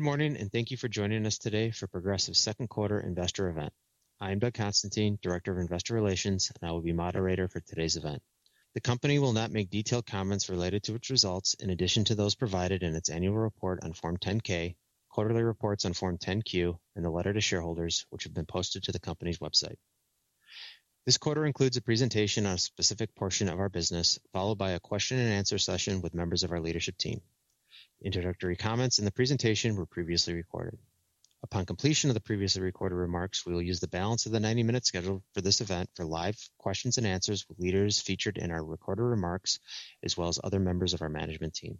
Good morning and thank you for joining us today for Progressive's second quarter investor event. I am Doug Constantine, Director of Investor Relations, and I will be Moderator for today's event. The company will not make detailed comments related to its results in addition to those provided in its Annual Report on Form 10-K, quarterly reports on Form 10-Q, and a letter to shareholders which have been posted to the company's website. This quarter includes a presentation on a specific portion of our business followed by a question and answer session with members of our leadership team. Introductory comments in the presentation were previously recorded. Upon completion of the previously recorded remarks, we will use the balance of the 90 minutes scheduled for this event for live questions and answers with leaders featured in our recorded remarks as well as other members of our management team.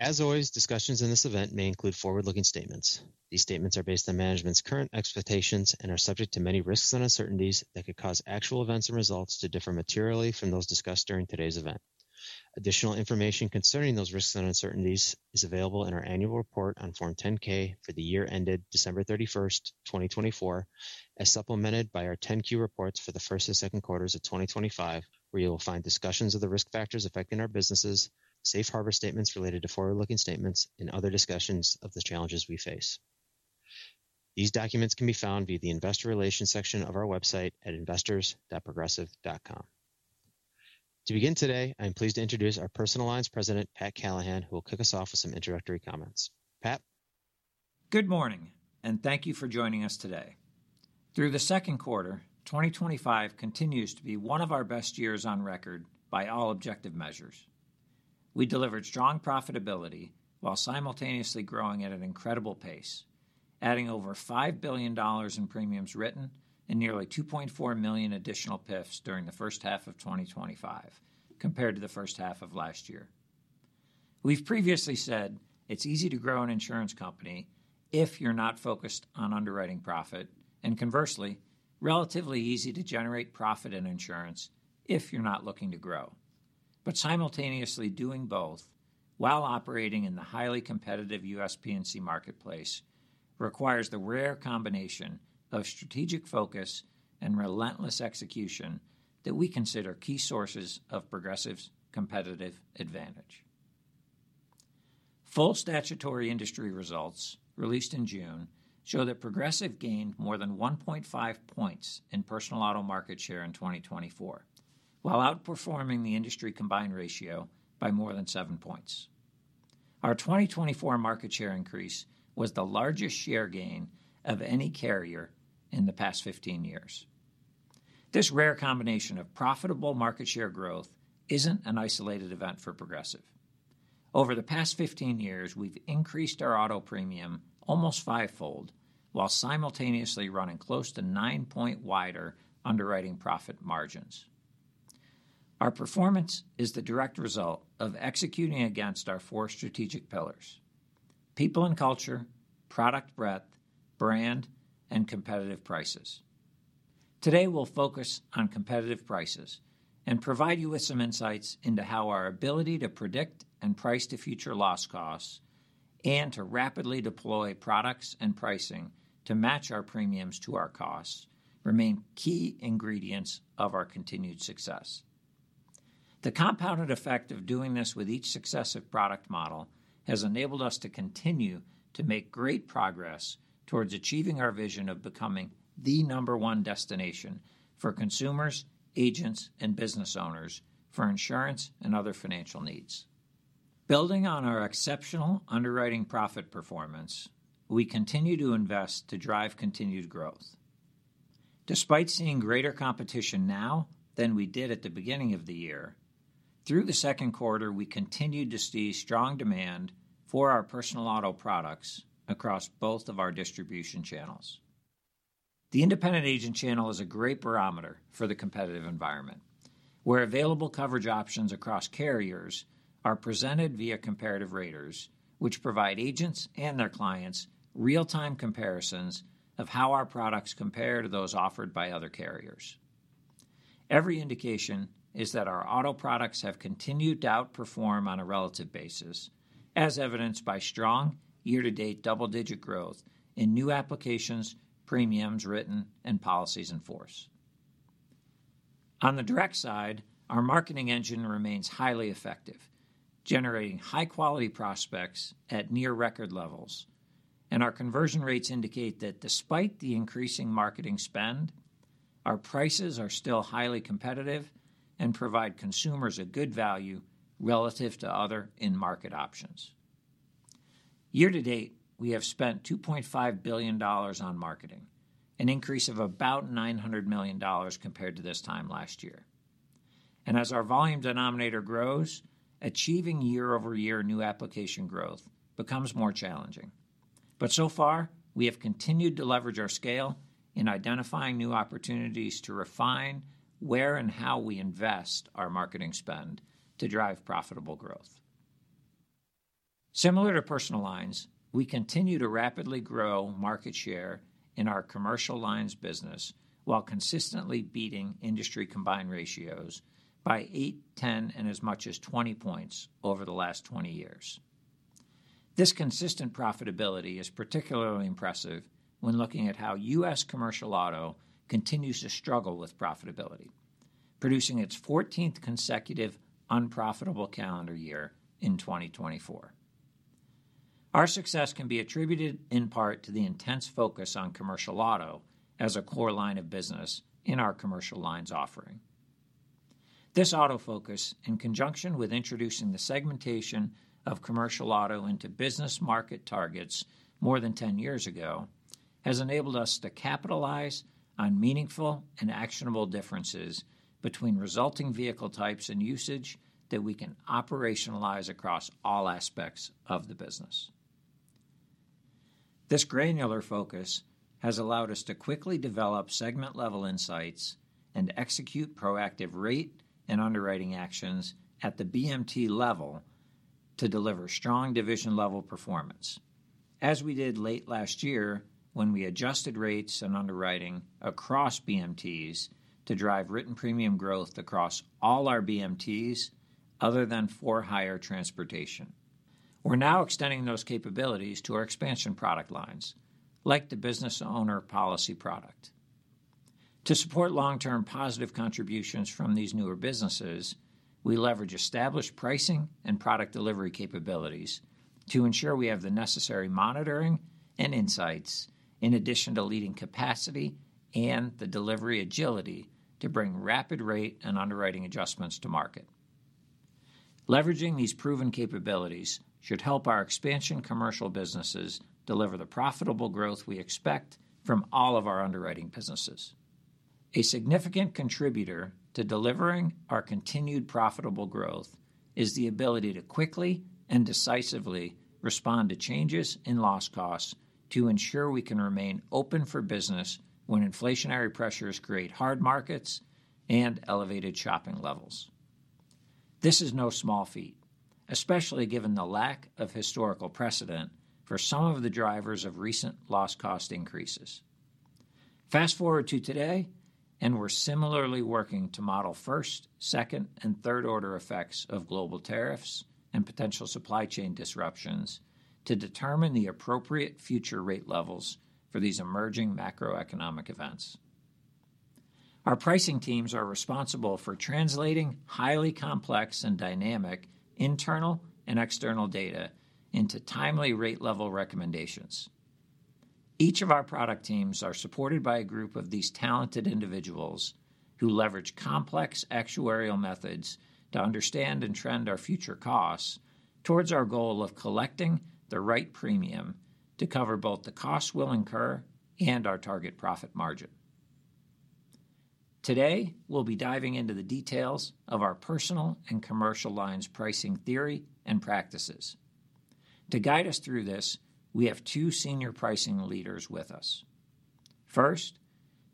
As always, discussions in this event may include forward-looking statements. These statements are based on management's current expectations and are subject to many risks and uncertainties that could cause actual events and results to differ materially from those discussed during today's event. Additional information concerning those risks and uncertainties is available in our Annual Report on Form 10-K for the year ended December 31st, 2024, as supplemented by our 10-Q reports for the first and second quarters of 2025, where you will find discussions of the risk factors affecting our businesses, safe harbor statements related to forward-looking statements, and other discussions of the challenges we face. These documents can be found via the Investor Relations section of our website at investors.progressive.com. To begin today, I'm pleased to introduce our Personal Lines President, Pat Callahan, who will kick us off with some introductory comments. Pat, good morning and thank you for joining us today. Through the second quarter, 2025 continues to be one of our best years on record. By all objective measures, we delivered strong profitability while simultaneously growing at an incredible pace, adding over $5 billion in premiums written and nearly 2.4 million additional PIFs during the first half of 2025 compared to the first half of last year. We've previously said it's easy to grow an insurance company if you're not focused on underwriting profit, and conversely, relatively easy to generate profit in insurance if you're not looking to grow. Simultaneously doing both while operating in the highly competitive U.S. PNC marketplace requires the rare combination of strategic focus and relentless execution that we consider key sources of Progressive's competitive advantage. Full statutory industry results released in June show that Progressive gained more than 1.5 points in Personal Auto market share in 2024 while outperforming the industry combined ratio by more than 7 points. Our 2024 market share increase was the largest share gain of any carrier in the past 15 years. This rare combination of profitable market share growth isn't an isolated event for Progressive. Over the past 15 years we've increased our auto premium almost 5 fold while simultaneously running close to 9 point wider underwriting profit margins. Our performance is the direct result of executing against our four strategic people and culture, product breadth, brand and competitive prices. Today we'll focus on competitive prices and provide you with some insights into how our ability to predict and price to future loss costs and to rapidly deploy products and pricing to match our premiums to our costs remain key ingredients of our continued success. The compounded effect of doing this with each successive product model has enabled us to continue to make great progress towards achieving our vision of becoming the number one destination for consumers, agents and business owners for insurance and other financial needs. Building on our exceptional underwriting profit performance, we continue to invest to drive continued growth despite seeing greater competition now than we did at the beginning of the year. Through the second quarter we continued to see strong demand for our personal auto products across both of our distribution channels. The independent agent channel is a great barometer for the competitive environment where available coverage options across carriers are presented via comparative raters, which provide agents and their clients real-time comparisons of how our products compare to those offered by other carriers. Every indication is that our auto products have continued to outperform on a relative basis, as evidenced by strong year-to-date double-digit growth in new applications, premiums written, and policies in force. On the direct side, our marketing engine remains highly effective, generating high-quality prospects at near record levels, and our conversion rates indicate that despite the increasing marketing spend, our prices are still highly competitive and provide consumers a good value relative to other in-market options. Year to date, we have spent $2.5 billion on marketing, an increase of about $900 million compared to this time last year. As our volume denominator grows, achieving year-over-year new application growth becomes more challenging. We have continued to leverage our scale in identifying new opportunities to refine where and how we invest our marketing spend to drive profitable growth. Similar to personal lines, we continue to rapidly grow market share in our commercial lines business while consistently beating industry combined ratios by 8, 10, and as much as 20 points over the last 20 years. This consistent profitability is particularly impressive when looking at how US commercial auto continues to struggle with profitability, producing its 14th consecutive unprofitable calendar year in 2024. Our success can be attributed in part to the intense focus on commercial auto as a core line of business in our commercial lines. Offering this auto focus in conjunction with introducing the segmentation of commercial auto into business market targets more than 10 years ago has enabled us to capitalize on meaningful and actionable differences between resulting vehicle types and usage that we can operationalize across all aspects of the business. This granular focus has allowed us to quickly develop segment-level insights and execute proactive rate and underwriting actions at the BMT level to deliver strong division-level performance. As we did late last year when we adjusted rates and underwriting across BMTs to drive written premium growth across all our BMTs other than for hire transportation, we're now extending those capabilities to our expansion product lines like the Business Owner Policy product to support long-term positive contributions from these newer businesses. We leverage established pricing and product delivery capabilities to ensure we have the necessary monitoring and insights, in addition to leading capacity and the delivery agility to bring rapid rate and underwriting adjustments to market. Leveraging these proven capabilities should help our expansion commercial businesses deliver the profitable growth we expect from all of our underwriting businesses. A significant contributor to delivering our continued profitable growth is the ability to quickly and decisively respond to changes in loss costs to ensure we can remain open for business when inflationary pressures create hard markets and elevated shopping levels. This is no small feat, especially given the lack of historical precedent for some of the drivers of recent loss cost increases. Fast forward to today and we're similarly working to model first, second, and third order effects of global tariffs and potential supply chain disruptions to determine the appropriate future rate levels for these emerging macro-economic events. Our pricing teams are responsible for translating highly complex and dynamic internal and external data into timely rate level recommendations. Each of our product teams are supported by a group of these talented individuals who leverage complex actuarial methods to understand and trend our future costs towards our goal of collecting the right premium and to cover both the costs we'll incur and our target profit margin. Today we'll be diving into the details of our personal and commercial lines pricing theory and practices. To guide us through this, we have two senior pricing leaders with us. First,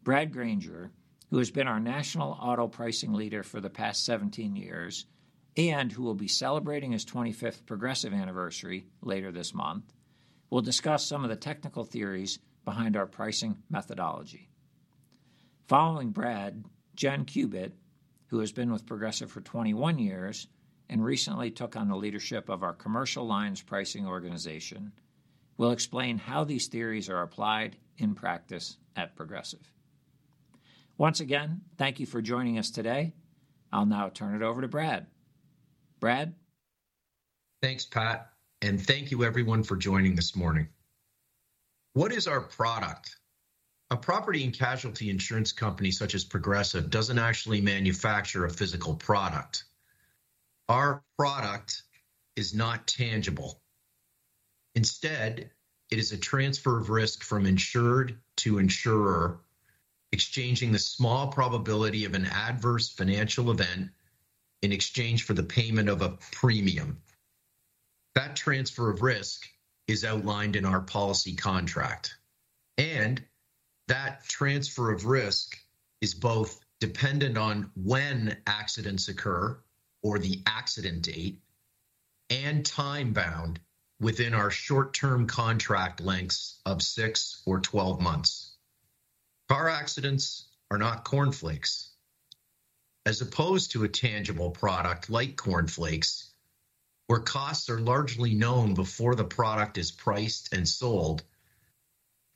Brad Granger, who has been our National Auto Pricing Leader for the past 17 years and who will be celebrating his 25th Progressive anniversary later this month, will discuss some of the technical theories behind our pricing methodology. Following Brad, Jen Kubit, who has been with Progressive for 21 years and recently took on the leadership of our Commercial Lines Pricing organization, will explain how these theories are applied in practice at Progressive. Once again, thank you for joining us today. I'll now turn it over to Brad. Thanks Pat and thank you everyone for joining this morning. What is our product? A property and casualty insurance company such as Progressive doesn't actually manufacture a physical product. Our product is not tangible. Instead, it is a transfer of risk from insured to insurer, exchanging the small probability of an adverse financial event in exchange for the payment of a premium. That transfer of risk is outlined in our policy contract, and that transfer of risk is both dependent on when accidents occur or the accident date and time bound within our short-term contract lengths of 6 or 12 months. Car accidents are not cornflakes, as opposed to a tangible product like corn flakes where costs are largely known before the product is priced and sold.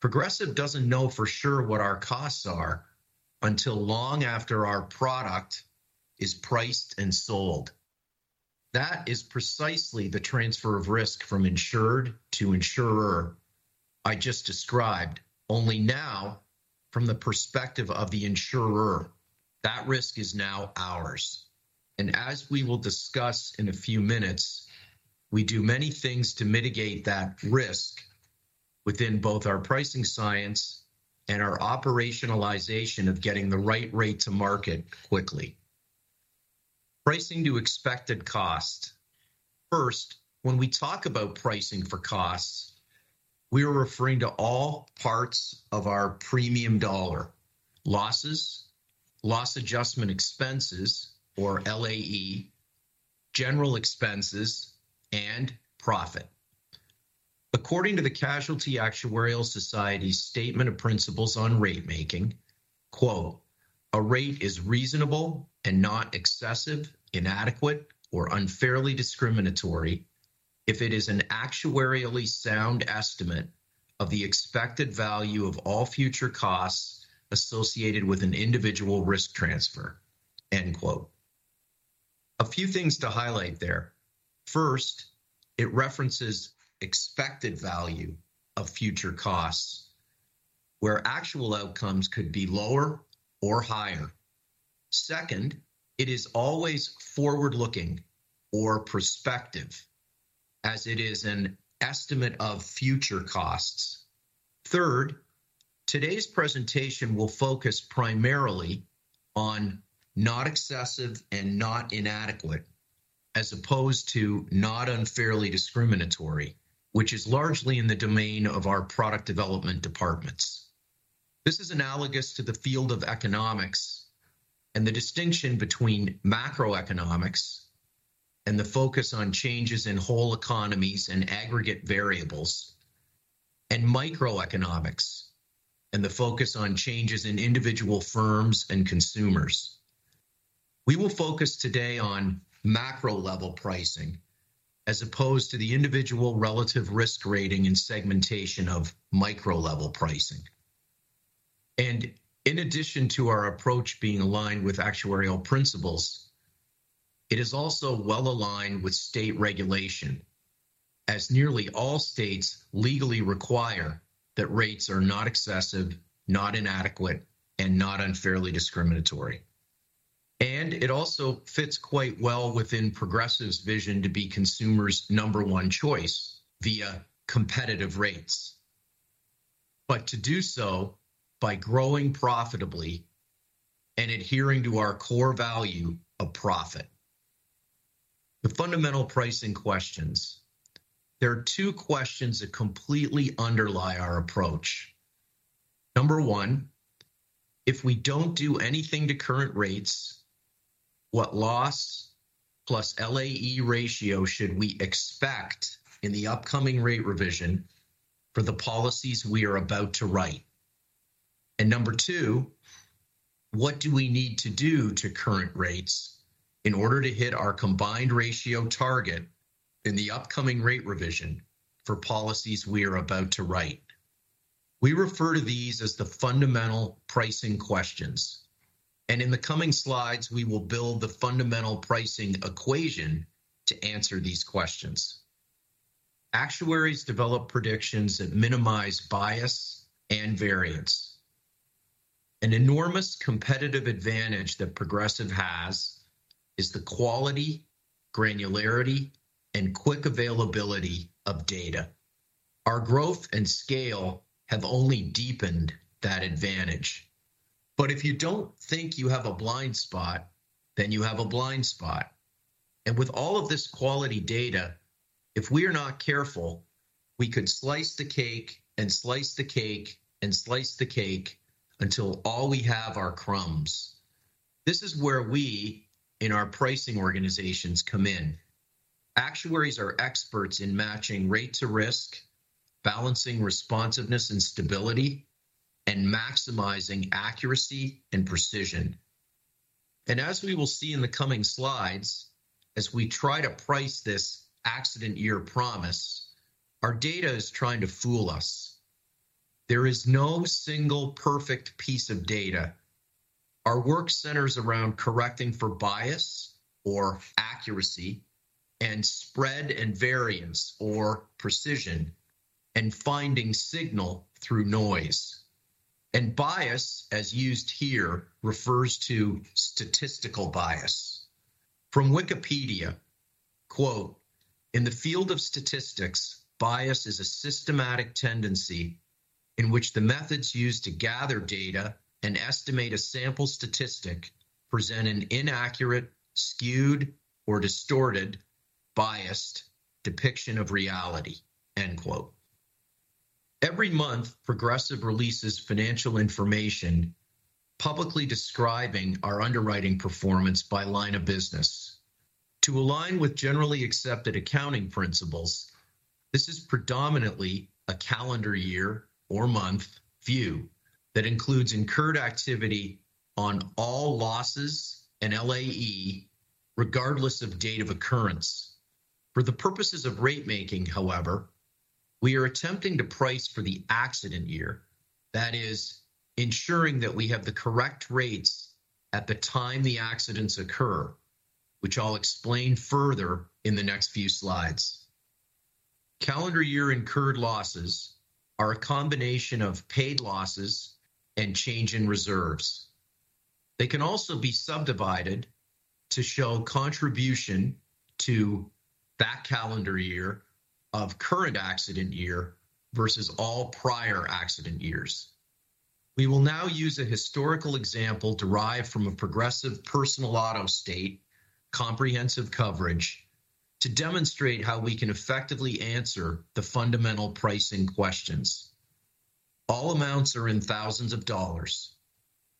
Progressive doesn't know for sure what our costs are until long after our product is priced and sold. That is precisely the transfer of risk from insured to insurer I just described, only now, from the perspective of the insurer, that risk is now ours. As we will discuss in a few minutes, we do many things to mitigate that risk within both our pricing science and our operationalization of getting the right rate to market quickly. Pricing to Expected Cost: first, when we talk about pricing for costs, we are referring to all parts of our premium dollar—losses, loss adjustment expenses or LAE, general expenses, and profit. According to the Casualty Actuarial Society's Statement of Principles on rate making, a rate is reasonable and not excessive, inadequate, or unfairly discriminatory if it is an actuarially sound estimate of the expected value of all future costs associated with an individual risk transfer. End quote. A few things to highlight there. First, it references expected value of future costs where actual outcomes could be lower or higher. Second, it is always forward looking or prospective as it is an estimate of future costs. Third, today's presentation will focus primarily on not excessive and not inadequate as opposed to not unfairly discriminatory, which is largely in the domain of our product development departments. This is analogous to the field of economics and the distinction between macroeconomics and the focus on changes in whole economies and aggregate variables, and microeconomics and the focus on changes in individual firms and consumers. We will focus today on macro level pricing as opposed to the individual relative risk rating and segmentation of micro level pricing. In addition to our approach being aligned with actuarial principles, it is also well aligned with state regulation, as nearly all states legally require that rates are not excessive, not inadequate, and not unfairly discriminatory. It also fits quite well within Progressive's vision to be consumers' number one choice via competitive rates, but to do so by growing profitably and adhering to our core value of profit. The Fundamental Pricing Questions There are two questions that completely underlie our approach. Number one, if we don't do anything to current rates, what loss plus LAE ratio should we expect in the upcoming rate revision for the policies we are about to write? Number two, what do we need to do to current rates in order to hit our combined ratio target in the upcoming rate revision for policies we are about to write? We refer to these as the fundamental pricing questions, and in the coming slides we will build the fundamental pricing equation to answer these questions. Actuaries develop predictions that minimize bias and variance. An enormous competitive advantage that Progressive has is the quality, granularity, and quick availability of data. Our growth and scale have only deepened that advantage. If you don't think you have a blind spot, then you have a blind spot. With all of this quality data, if we are not careful, we could slice the cake and slice the cake and slice the cake until all we have are crumbs. This is where we in our pricing organizations come in. Actuaries are experts in matching rate to risk, balancing responsiveness and stability, and maximizing accuracy and precision. As we will see in the coming slides, as we try to price this accident year promise, our data is trying to fool us. There is no single perfect piece of data. Our work centers around correcting for bias or accuracy and spread and variance or precision, and finding signal through noise. Bias, as used here, refers to statistical bias from Wikipedia. In the field of statistics, bias is a systematic tendency in which the methods used to gather data and estimate a sample statistic present an inaccurate, skewed, or distorted biased depiction of reality. End quote. Every month, Progressive releases financial information publicly describing our underwriting performance by line of business to align with generally accepted accounting principles. This is predominantly a calendar year or month view that includes incurred activity on all losses and LAE regardless of date of occurrence. For the purposes of rate making, however, we are attempting to price for the accident year, that is ensuring that we have the correct rates at the time the accidents occur, which I'll explain further in the next few slides. Calendar year incurred losses are a combination of paid losses and change in reserves. They can also be subdivided to show contribution to that calendar year of current accident year versus all prior accident years. We will now use a historical example derived from a Progressive personal auto state comprehensive coverage to demonstrate how we can effectively answer the fundamental pricing questions. All amounts are in thousands of dollars.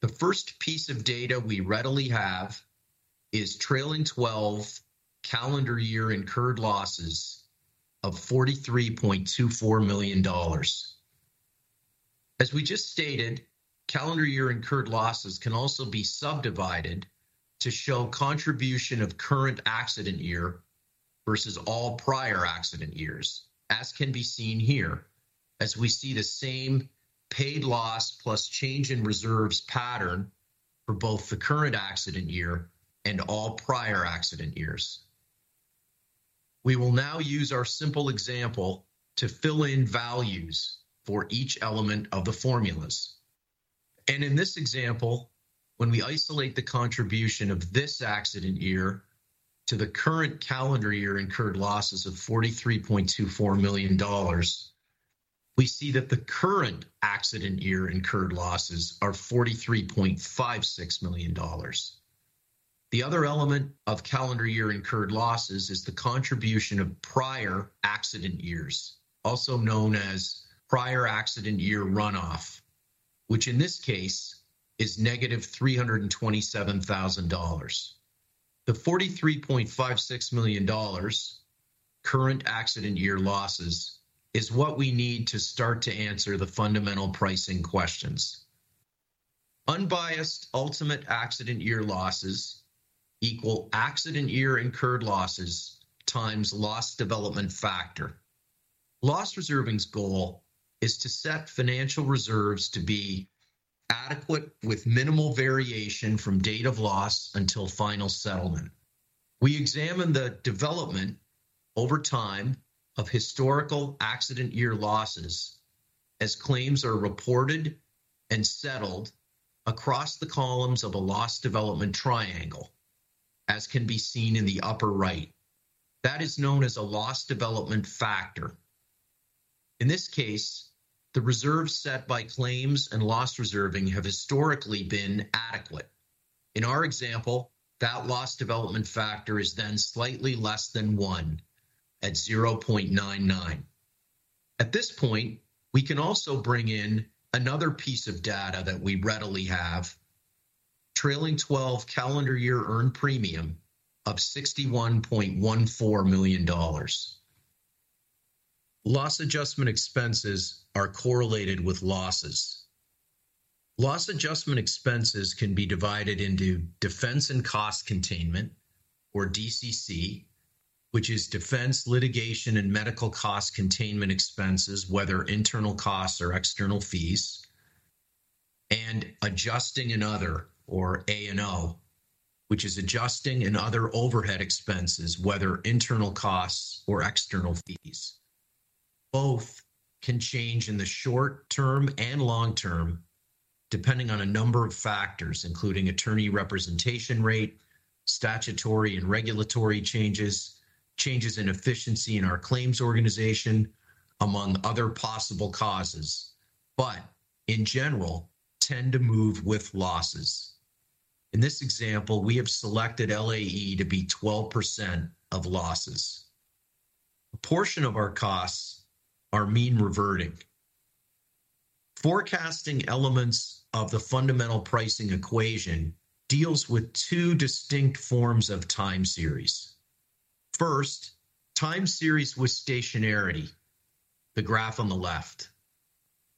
The first piece of data we readily have is trailing twelve calendar year incurred losses of $43.24 million. As we just stated, calendar year incurred losses can also be subdivided to show contribution of current accident year versus all prior accident years as can be seen here. As we see the same paid loss plus change in reserves pattern for both the current accident year and all prior accident years, we will now use our simple example to fill in values for each element of the formulas and in this example, when we isolate the contribution of this accident year to the current calendar year incurred losses of $43.24 million, we see that the current accident year incurred losses are $43.56 million. The other element of calendar year incurred losses is the contribution of prior accident years, also known as prior accident year runoff, which in this case is -$327,000. The $43.56 million current accident year losses is what we need to start to answer the fundamental pricing questions. Unbiased ultimate accident year losses equal accident year incurred losses times loss development factor. Loss reserving's goal is to set financial reserves to be adequate with minimal variation from date of loss until final settlement. We examine the development over time of historical accident year losses as claims are reported and settled across the columns of a loss development triangle, as can be seen in the upper right that is known as a loss development factor. In this case, the reserves set by claims and loss reserving have historically been adequate. In our example, that loss development factor is then slightly less than 1 at 0.99. At this point we can also bring in another piece of data that we readily have: trailing twelve calendar year earned premium of $61.14 million. Loss adjustment expenses are correlated with losses. Loss adjustment expenses can be divided into defense and cost containment, or DCC, which is defense, litigation, and medical cost containment expenses, whether internal costs or external fees, and adjusting and other, or A&O, which is adjusting and other overhead expenses, whether internal costs or external fees. Both can change in the short term and long term depending on a number of factors including attorney representation rate, statutory and regulatory changes, changes in efficiency in our claims organization, among other possible causes, but in general tend to move with losses. In this example, we have selected LAE to be 12% of losses. A portion of our costs are mean reverting. Forecasting elements of the fundamental pricing equation deals with two distinct forms of time series. First, time series with stationarity, the graph on the left.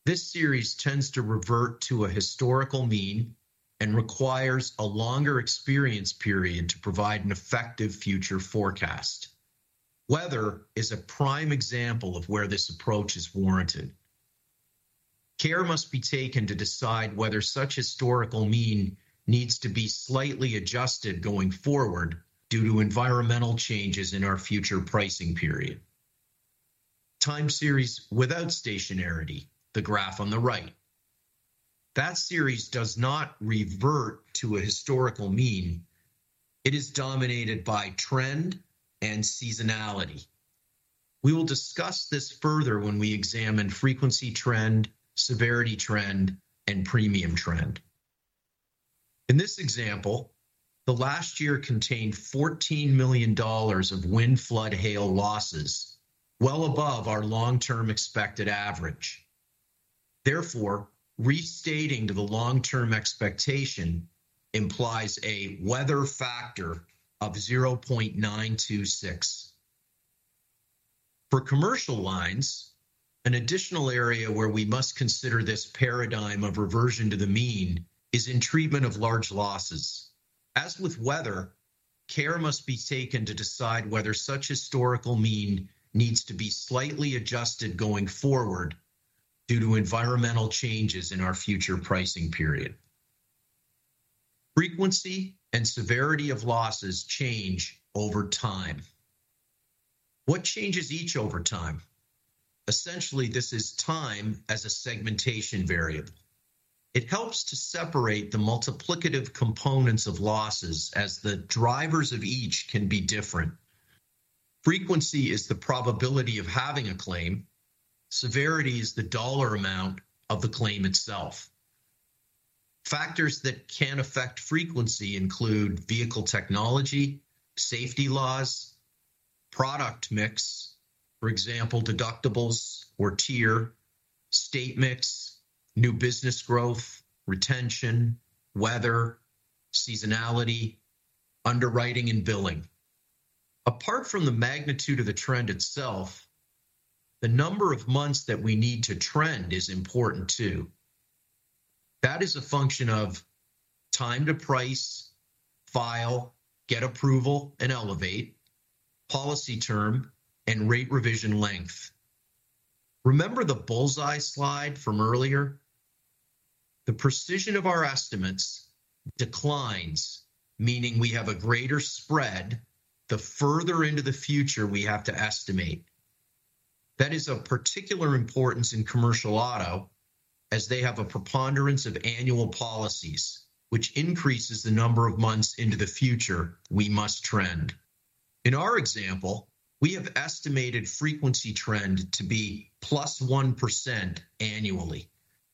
This series tends to revert to a historical mean and requires a longer experience period to provide an effective future forecast. Weather is a prime example of where this approach is warranted. Care must be taken to decide whether such historical mean needs to be slightly adjusted going forward due to environmental changes in our future pricing period. Time series without stationarity, the graph on the right, that series does not revert to a historical mean. It is dominated by trend and seasonality. We will discuss this further when we examine frequency trend, severity trend, and premium trend. In this example, the last year contained $14 million of wind, flood, hail losses, well above our long term expected average. Therefore, restating to the long term expectation implies a weather factor of $0.926 for commercial lines. An additional area where we must consider this paradigm of reversion to the mean is in treatment of large losses. As with weather, care must be taken to decide whether such historical mean needs to be slightly adjusted going forward due to environmental changes in our future pricing period. Frequency and severity of losses change over time. What changes each over time? Essentially, this is time as a segmentation variable. It helps to separate the multiplicative components of losses as the drivers of each can be different. Frequency is the probability of having a claim. Severity is the dollar amount of the claim itself. Factors that can affect frequency include vehicle technology, safety laws, product mix, for example, deductibles or tier, state mix, new business growth, retention, weather, seasonality, underwriting, and billing. Apart from the magnitude of the trend itself, the number of months that we need to trend is important too. That is a function of time to price file, get approval, and elevate policy term and rate revision length. Remember the bullseye slide from earlier? The precision of our estimates declines, meaning we have a greater spread the further into the future we have to estimate. That is of particular importance in commercial auto as they have a preponderance of annual policies, which increases the number of months into the future we must trend. In our example, we have estimated frequency trend to be plus 1% annually.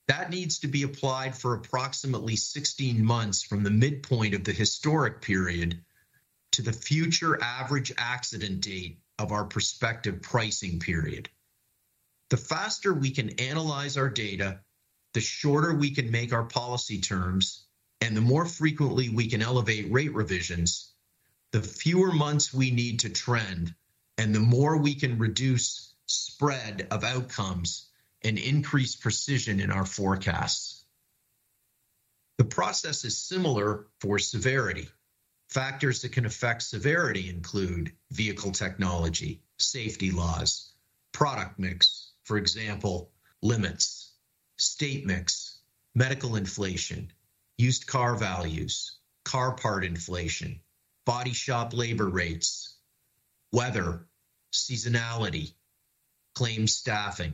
That needs to be applied for approximately 16 months from the midpoint of the historic period to the future average accident date of our prospective pricing period. The faster we can analyze our data, the shorter we can make our policy terms, and the more frequently we can elevate rate revisions. The fewer months we need to trend and the more we can reduce spread of outcomes and increase precision in our forecasts. The process is similar for severity. Factors that can affect severity include vehicle technology, safety laws, product mix, for example, limits, state mix, medical inflation, used car values, car part inflation, body shop, labor rates, weather, seasonality, claims, staffing.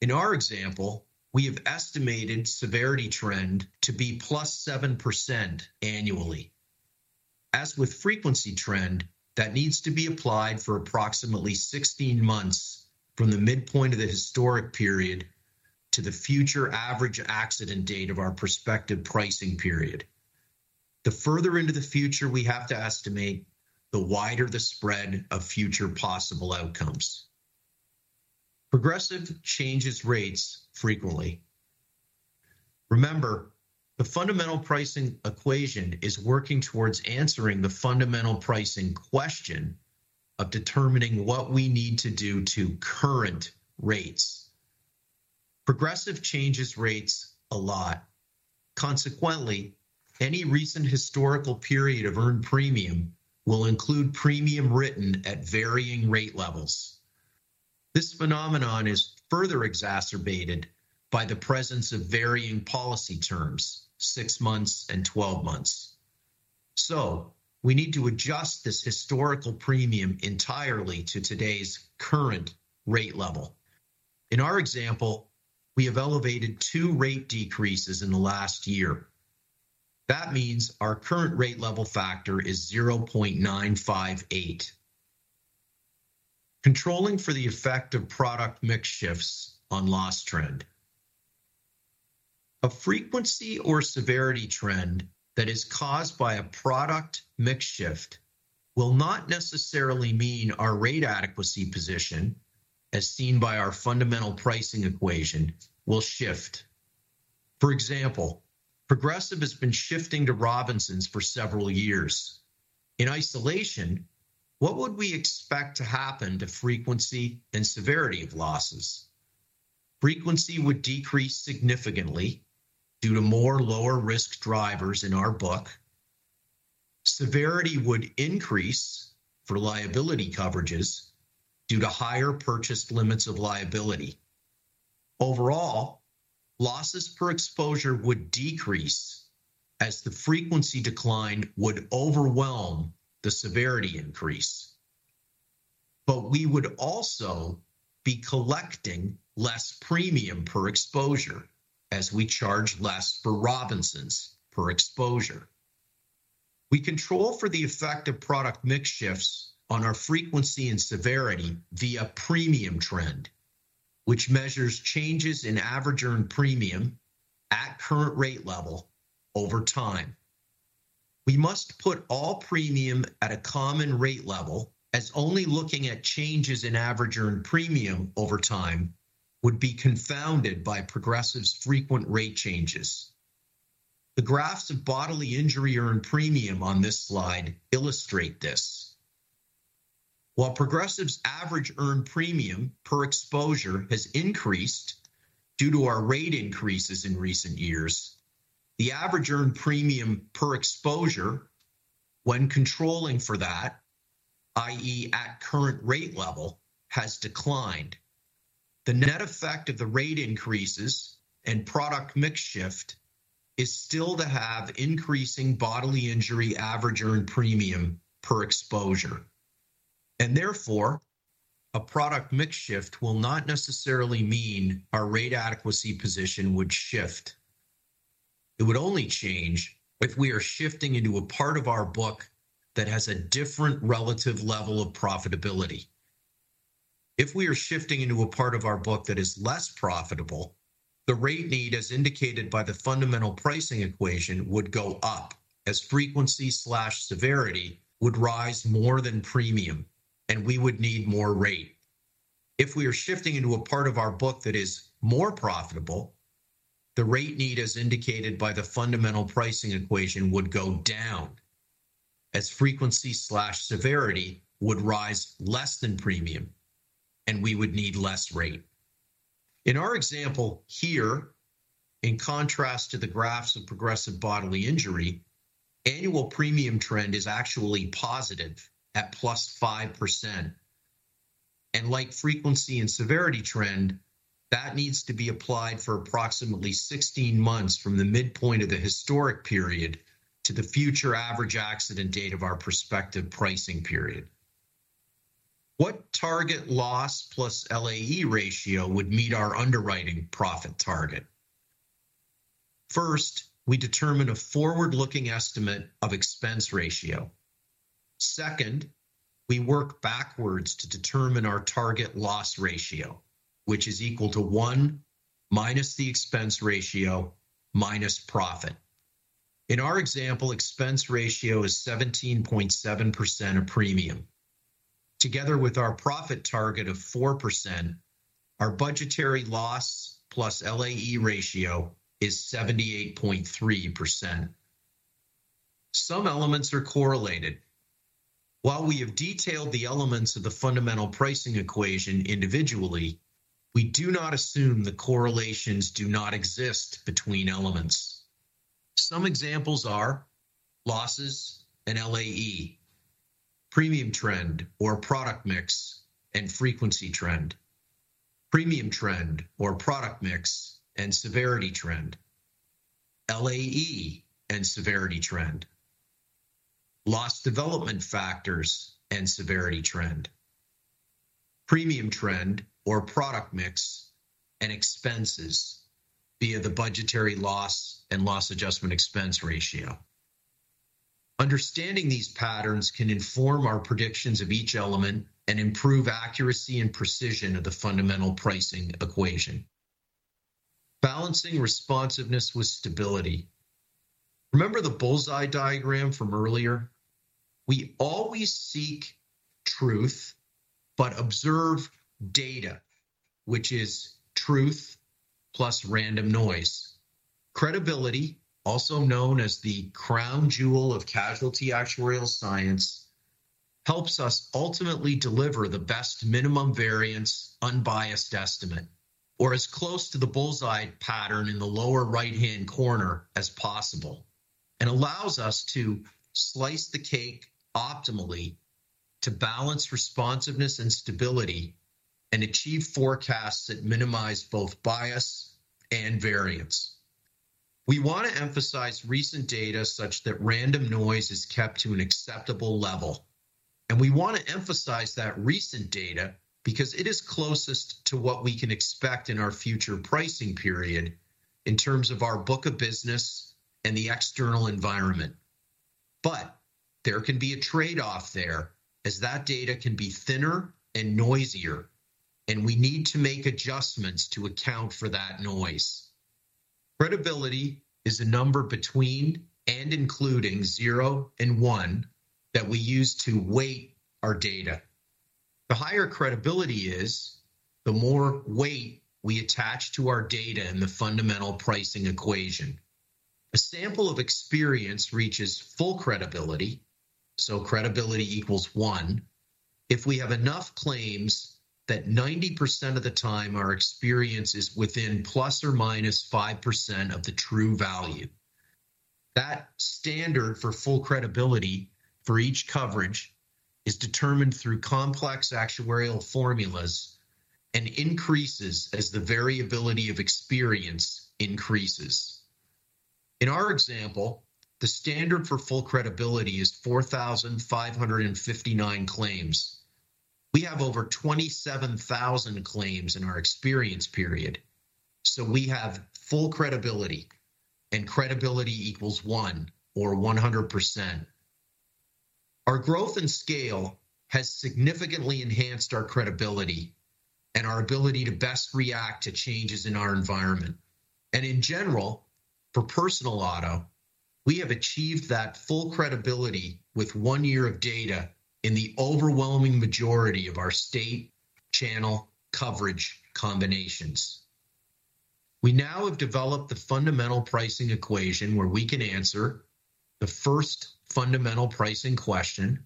In our example, we have estimated severity trend to be plus 7% annually. As with frequency trend, that needs to be applied for approximately 16 months from the midpoint of the historic period to the future average accident date of our prospective pricing period. The further into the future we have to estimate, the wider the spread of future possible outcomes. Progressive changes rates frequently. Remember, the fundamental pricing equation is working towards answering the fundamental pricing question of determining what we need to do to current rates. Progressive changes rates a lot. Consequently, any recent historical period of earned premium will include premium written at varying rate levels. This phenomenon is further exacerbated by the presence of varying policy terms, 6 months and 12 months. We need to adjust this historical premium entirely to today's current rate level. In our example, we have elevated two rate decreases in the last year. That means our current rate level factor is 0.958, controlling for the effect of product mix shifts on loss trend. A frequency or severity trend that is caused by a product mix shift will not necessarily mean our rate adequacy position as seen by our fundamental pricing equation will shift. For example, Progressive has been shifting to Robinsons for several years in isolation. What would we expect to happen to frequency and severity of losses? Frequency would decrease significantly due to more lower risk drivers. In our book, severity would increase for liability coverages due to higher purchased limits of liability. Overall losses for exposure would decrease as the frequency decline would overwhelm the severity increase. We would also be collecting less premium per exposure as we charge less for Robinsons per exposure. We control for the effect of product mix shifts on our frequency and severity via premium trend, which measures changes in average earned premium at current rate level over time. We must put all premium at a common rate level, as only looking at changes in average earned premium over time would be confounded by Progressive's frequent rate changes. The graphs of bodily injury earned premium on this slide illustrate this. While Progressive's average earned premium per exposure has increased due to our rate increases in recent years, the average earned premium per exposure when controlling for that, i.e., at current rate level, has declined. The net effect of the rate increases and product mix shift is still to have increasing bodily injury average earned premium per exposure, and therefore a product mix shift will not necessarily mean our rate adequacy position would shift. It would only change if we are shifting into a part of our book that has a different relative level of profitability. If we are shifting into a part of our book that is less profitable, the rate need as indicated by the fundamental pricing equation would go up as frequency severity would rise more than premium, and we would need more rate. If we are shifting into a part of our book that is more profitable, the rate need as indicated by the fundamental pricing equation would go down as frequency severity would rise less than premium, and we would need less rate. In our example here, in contrast to the graphs of Progressive bodily injury, annual premium trend is actually positive at +5% and like frequency and severity trend that needs to be applied for approximately 16 months from the midpoint of the historic period to the future average accident date of our prospective pricing period. What target loss plus LAE ratio would meet our underwriting profit target? First, we determine a forward-looking estimate of expense ratio. Second, we work backwards to determine our target loss ratio which is equal to 1 minus the expense ratio minus profit. In our example, expense ratio is 17.7% of premium together with our profit target of 4%. Our budgetary loss plus LAE ratio is 78.3%. Some elements are correlated. While we have detailed the elements of the fundamental pricing equation individually, we do not assume the correlations do not exist between elements. Some examples are losses and LAE, premium trend or product mix and frequency trend, premium trend or product mix and severity trend, LAE and severity trend, loss development factors and severity trend, premium trend or product mix and expenses via the budgetary loss and loss adjustment expense ratio. Understanding these patterns can inform our predictions of each element and improve accuracy and precision of the fundamental pricing equation. Balancing Responsiveness with Stability Remember the bullseye diagram from earlier? We always seek truth but observe data which is truth plus random noise. Credibility, also known as the crown jewel of casualty actuarial science, helps us ultimately deliver the best minimum variance, unbiased estimate or as close to the bullseye pattern in the lower right-hand corner as possible and allows us to slice the cake optimally to balance responsiveness and stability and achieve forecasts that minimize both bias and variance. We want to emphasize recent data such that random noise is kept to an acceptable level and we want to emphasize that recent data because it is closest to what we can expect in our future pricing period in terms of our book of business and the external environment. There can be a trade-off there as that data can be thinner and noisier and we need to make adjustments to account for that noise. Credibility is a number between and including zero and one that we use to weight our data. The higher credibility is, the more weight we attach to our data. In the fundamental pricing equation, a sample of experience reaches full credibility so credibility equals 1. If we have enough claims that 90% of the time our experience is within plus or -5% of the true value. That standard for full credibility for each coverage is determined through complex actuarial formulas and increases as the variability of experience increases. In our example, the standard for full credibility is 4,559 claims. We have over 27,000 claims in our experience period, so we have full credibility and credibility equals 1 or 100%. Our growth and scale has significantly enhanced our credibility and our ability to best react to changes in our environment and in general for personal auto. We have achieved that full credibility with one year of data in the overwhelming majority of our state channel coverage combinations. We now have developed the fundamental pricing equation where we can answer the first fundamental pricing question.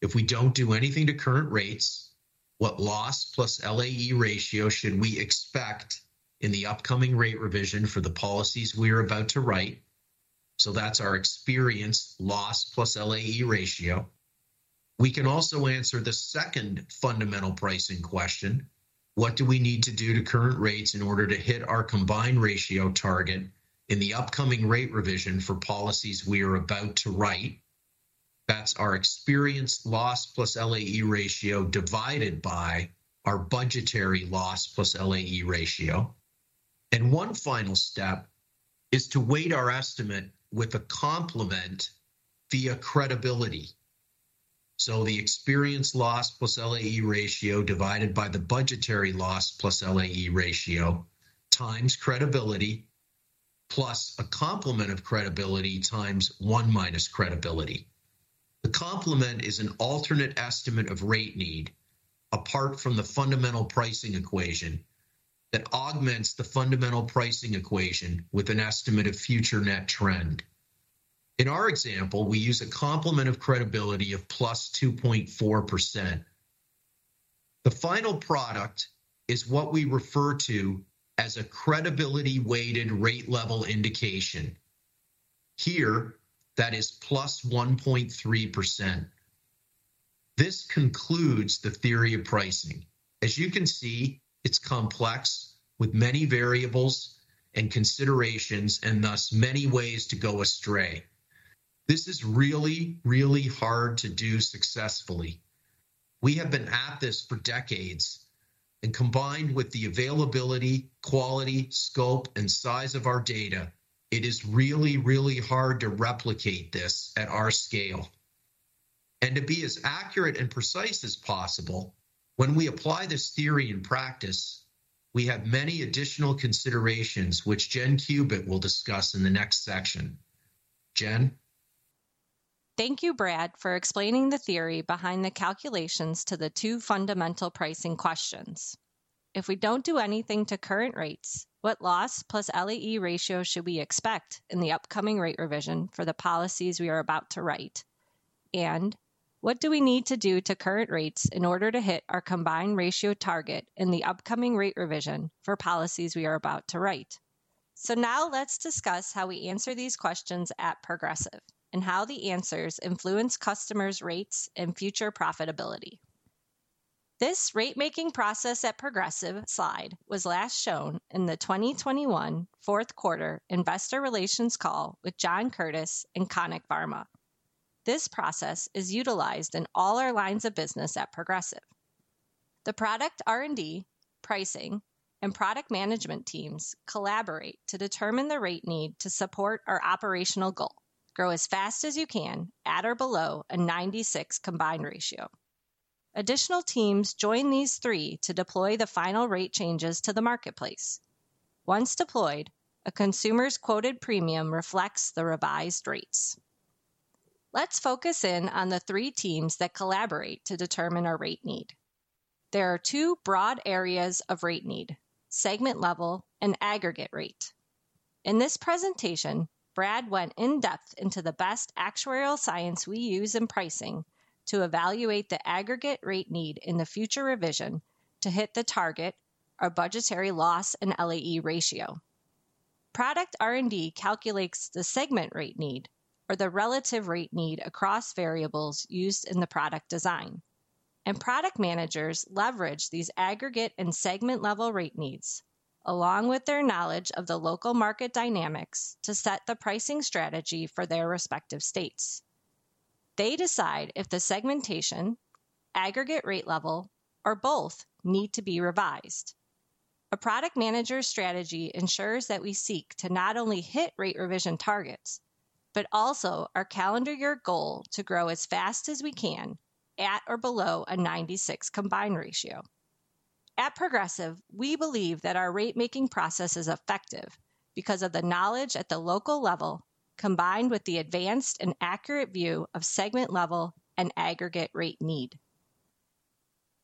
If we don't do anything to current rates, what loss plus LAE ratio should we expect in the upcoming rate revision for the policies we are about to write? That's our experience loss plus LAE ratio. We can also answer the second fundamental pricing question, what do we need to do to current rates in order to hit our combined ratio target in the upcoming rate revision for policies we are about to write? That's our experience loss plus LAE ratio divided by our budgetary loss plus LAE ratio. One final step is to weight our estimate with a complement via credibility. The experience loss plus LAE ratio divided by the budgetary loss plus LAE ratio times credibility plus a complement of credibility times 1 minus credibility. The complement is an alternate estimate of rate need apart from the fundamental pricing equation that augments the fundamental pricing equation with an estimate of future net trend. In our example we use a complement of credibility of +2.4%. The final product is what we refer to as a credibility weighted rate level indication here, that is +1.3%. This concludes the theory of pricing. As you can see, it's complex with many variables and considerations and thus many ways to go astray. This is really, really hard to do successfully. We have been at this for decades and combined with the availability, quality, scope and size of our data, it is really, really hard to replicate this at our scale and to be as accurate and precise as possible. When we apply this theory in practice, we have many additional considerations, which Jen Kubit will discuss in the next section. Jen, thank you, Brad, for explaining the theory behind the calculations to the two fundamental pricing questions. If we don't do anything to current rates, what loss plus LAE ratio should we expect in the upcoming rate revision for the policies we are about to write? What do we need to do to current rates in order to hit our combined ratio target in the upcoming rate revision for policies we are about to write? Let's discuss how we answer these questions at Progressive and how the answers influence customers' rates and future profitability. This rate making process at Progressive slide was last shown in the 2021 fourth quarter Investor Relations call with John Curtiss and Conic Pharma. This process is utilized in all our lines of business. At Progressive, the Product R&D, Pricing, and Product Management teams collaborate to determine the rate need to support our operational goal: grow as fast as you can at or below a 96% combined ratio. Additional teams join these three to deploy the final rate changes to the marketplace. Once deployed, a consumer's quoted premium reflects the revised rates. Let's focus in on the three teams that collaborate to determine our rate need. There are two broad areas of rate: segment level and aggregate rate. In this presentation, Brad went in depth into the best actuarial science we use in pricing to evaluate the aggregate rate need in the future revision. To hit the target or budgetary loss and LAE ratio, Product R&D calculates the segment rate need, or the relative rate need across variables used in the product design, and product managers leverage these aggregate and segment level rate needs along with their knowledge of the local market dynamics to set the pricing strategy for their respective states. They decide if the segmentation, aggregate rate level, or both need to be revised. A product manager strategy ensures that we seek to not only hit rate revision targets but also our calendar year goal to grow as fast as we can at or below a 96% combined ratio. At Progressive, we believe that our rate making process is effective because of the knowledge at the local level combined with the advanced and accurate view of segment level and aggregate rate need,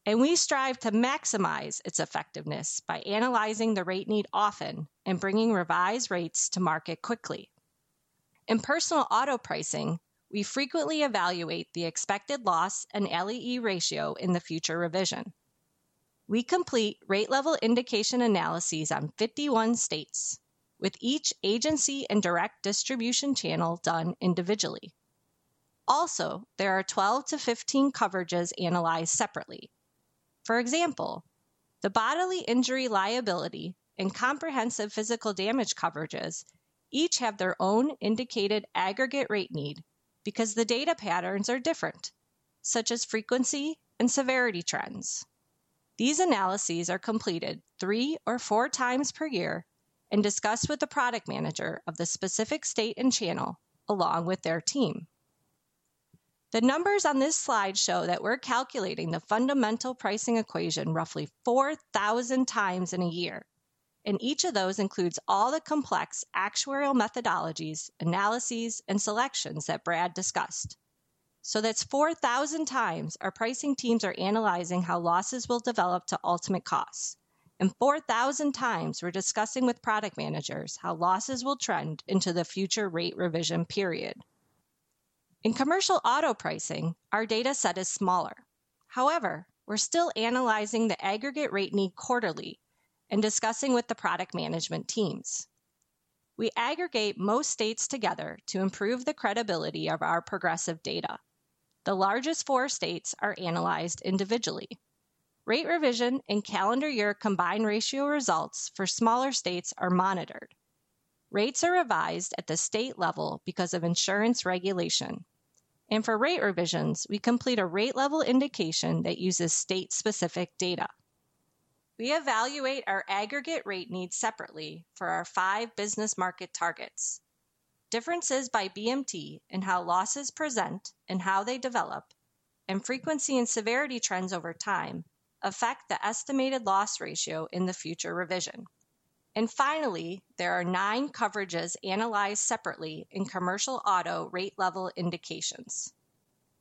and we strive to maximize its effectiveness by analyzing the rate need often and bringing revised rates to market quickly. In personal auto pricing, we frequently evaluate the expected loss and LAE ratio. In the future revision, we complete rate level indication analyses on 51 states with each agency and direct distribution channel done individually. Also, there are 12 to 15 coverages analyzed separately. For example, the bodily injury liability and comprehensive physical damage coverages each have their own indicated aggregate rate need. Because the data patterns are different, such as frequency and severity trends, these analyses are completed three or four times per year and discussed with the product manager of the specific state and channel along with their team. The numbers on this slide show that we're calculating the fundamental pricing equation roughly 4,000x in a year, and each of those includes all the complex actuarial methodologies, analyses, and selections that Brad discussed, so that's 4,000x our pricing teams are analyzing how losses will develop to ultimate costs and 4,000x we're discussing with product managers how losses will trend into the future rate revision period. In commercial auto pricing, our data set is smaller. However, we're still analyzing the aggregate rate need quarterly and discussing with the product management teams. We aggregate most states together to improve the credibility of our Progressive data. The largest four states are analyzed individually. Rate revision and calendar year combined ratio results for smaller states are monitored. Rates are revised at the state level because of insurance regulation, and for rate revisions we complete a rate level indication that uses state specific data. We evaluate our aggregate rate needs separately for our five business market targets. Differences by BMT in how losses present and how they develop and frequency and severity trends over time affect the estimated loss ratio in the future revision. Finally, there are nine coverages analyzed separately in commercial auto rate level indications.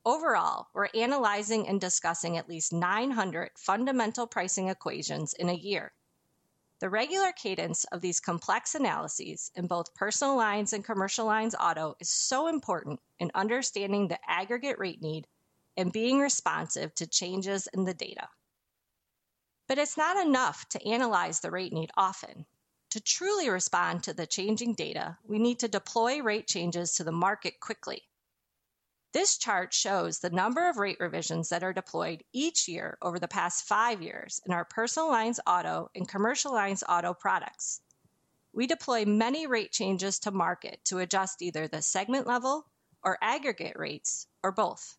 Overall, we're analyzing and discussing at least 900 fundamental pricing equations in a year. The regular cadence of these complex analyses in both personal lines and commercial lines auto is so important in understanding the aggregate rate need and being responsive to changes in the data. It's not enough to analyze the rate need often. To truly respond to the changing data, we need to deploy rate changes to the market quickly. This chart shows the number of rate revisions that are deployed each year over the past five years in our personal lines auto and commercial lines auto products. We deploy many rate changes to market to adjust either the segment level or aggregate rates or both.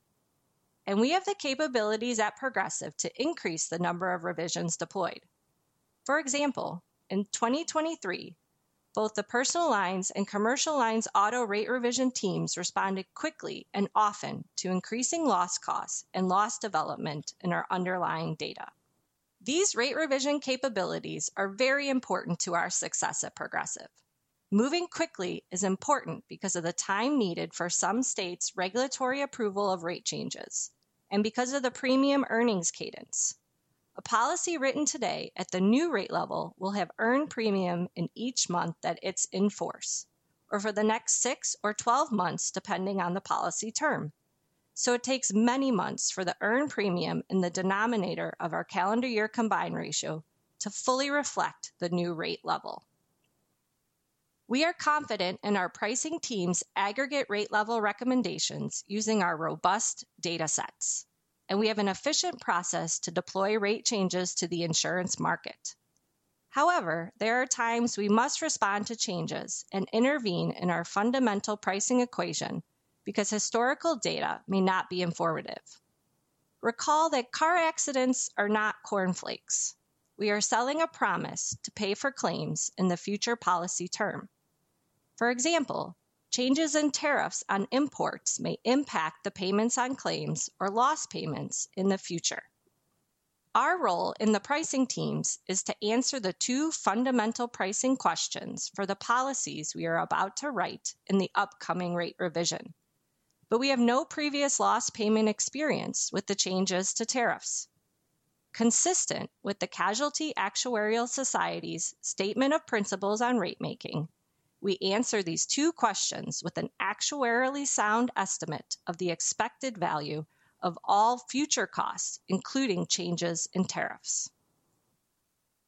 We have the capabilities at Progressive to increase the number of revisions deployed. For example, in 2023, both the personal lines and commercial lines auto rate revision teams responded quickly and often to increasing loss costs and loss development in our underlying data. These rate revision capabilities are very important to our success at Progressive. Moving quickly is important because of the time needed for some states' regulatory approval of rate changes, and because of the premium earnings cadence. A policy written today at the new rate level will have earned premium in each month that it's in force or for the next six or 12 months depending on the policy term. It takes many months for the earned premium in the denominator of our calendar year combined ratio to fully reflect the new rate level. We are confident in our pricing team's aggregate rate level recommendations using our robust data sets, and we have an efficient process to deploy rate changes to the insurance market. However, there are times we must respond to changes and intervene in our fundamental pricing equation because historical data may not be informative. Recall that car accidents are not corn flakes. We are selling a promise to pay for claims in the future policy term. For example, changes in tariffs on imports may impact the payments on claims or loss payments in the future. Our role in the pricing teams is to answer the two fundamental pricing questions for the policies we are about to write in the upcoming rate revision, but we have no previous loss payment experience with the changes to tariffs. Consistent with the Casualty Actuarial Society's Statement of Principles on Ratemaking, we answer these two questions with an actuarially sound estimate of the expected value of all future costs, including changes in tariffs.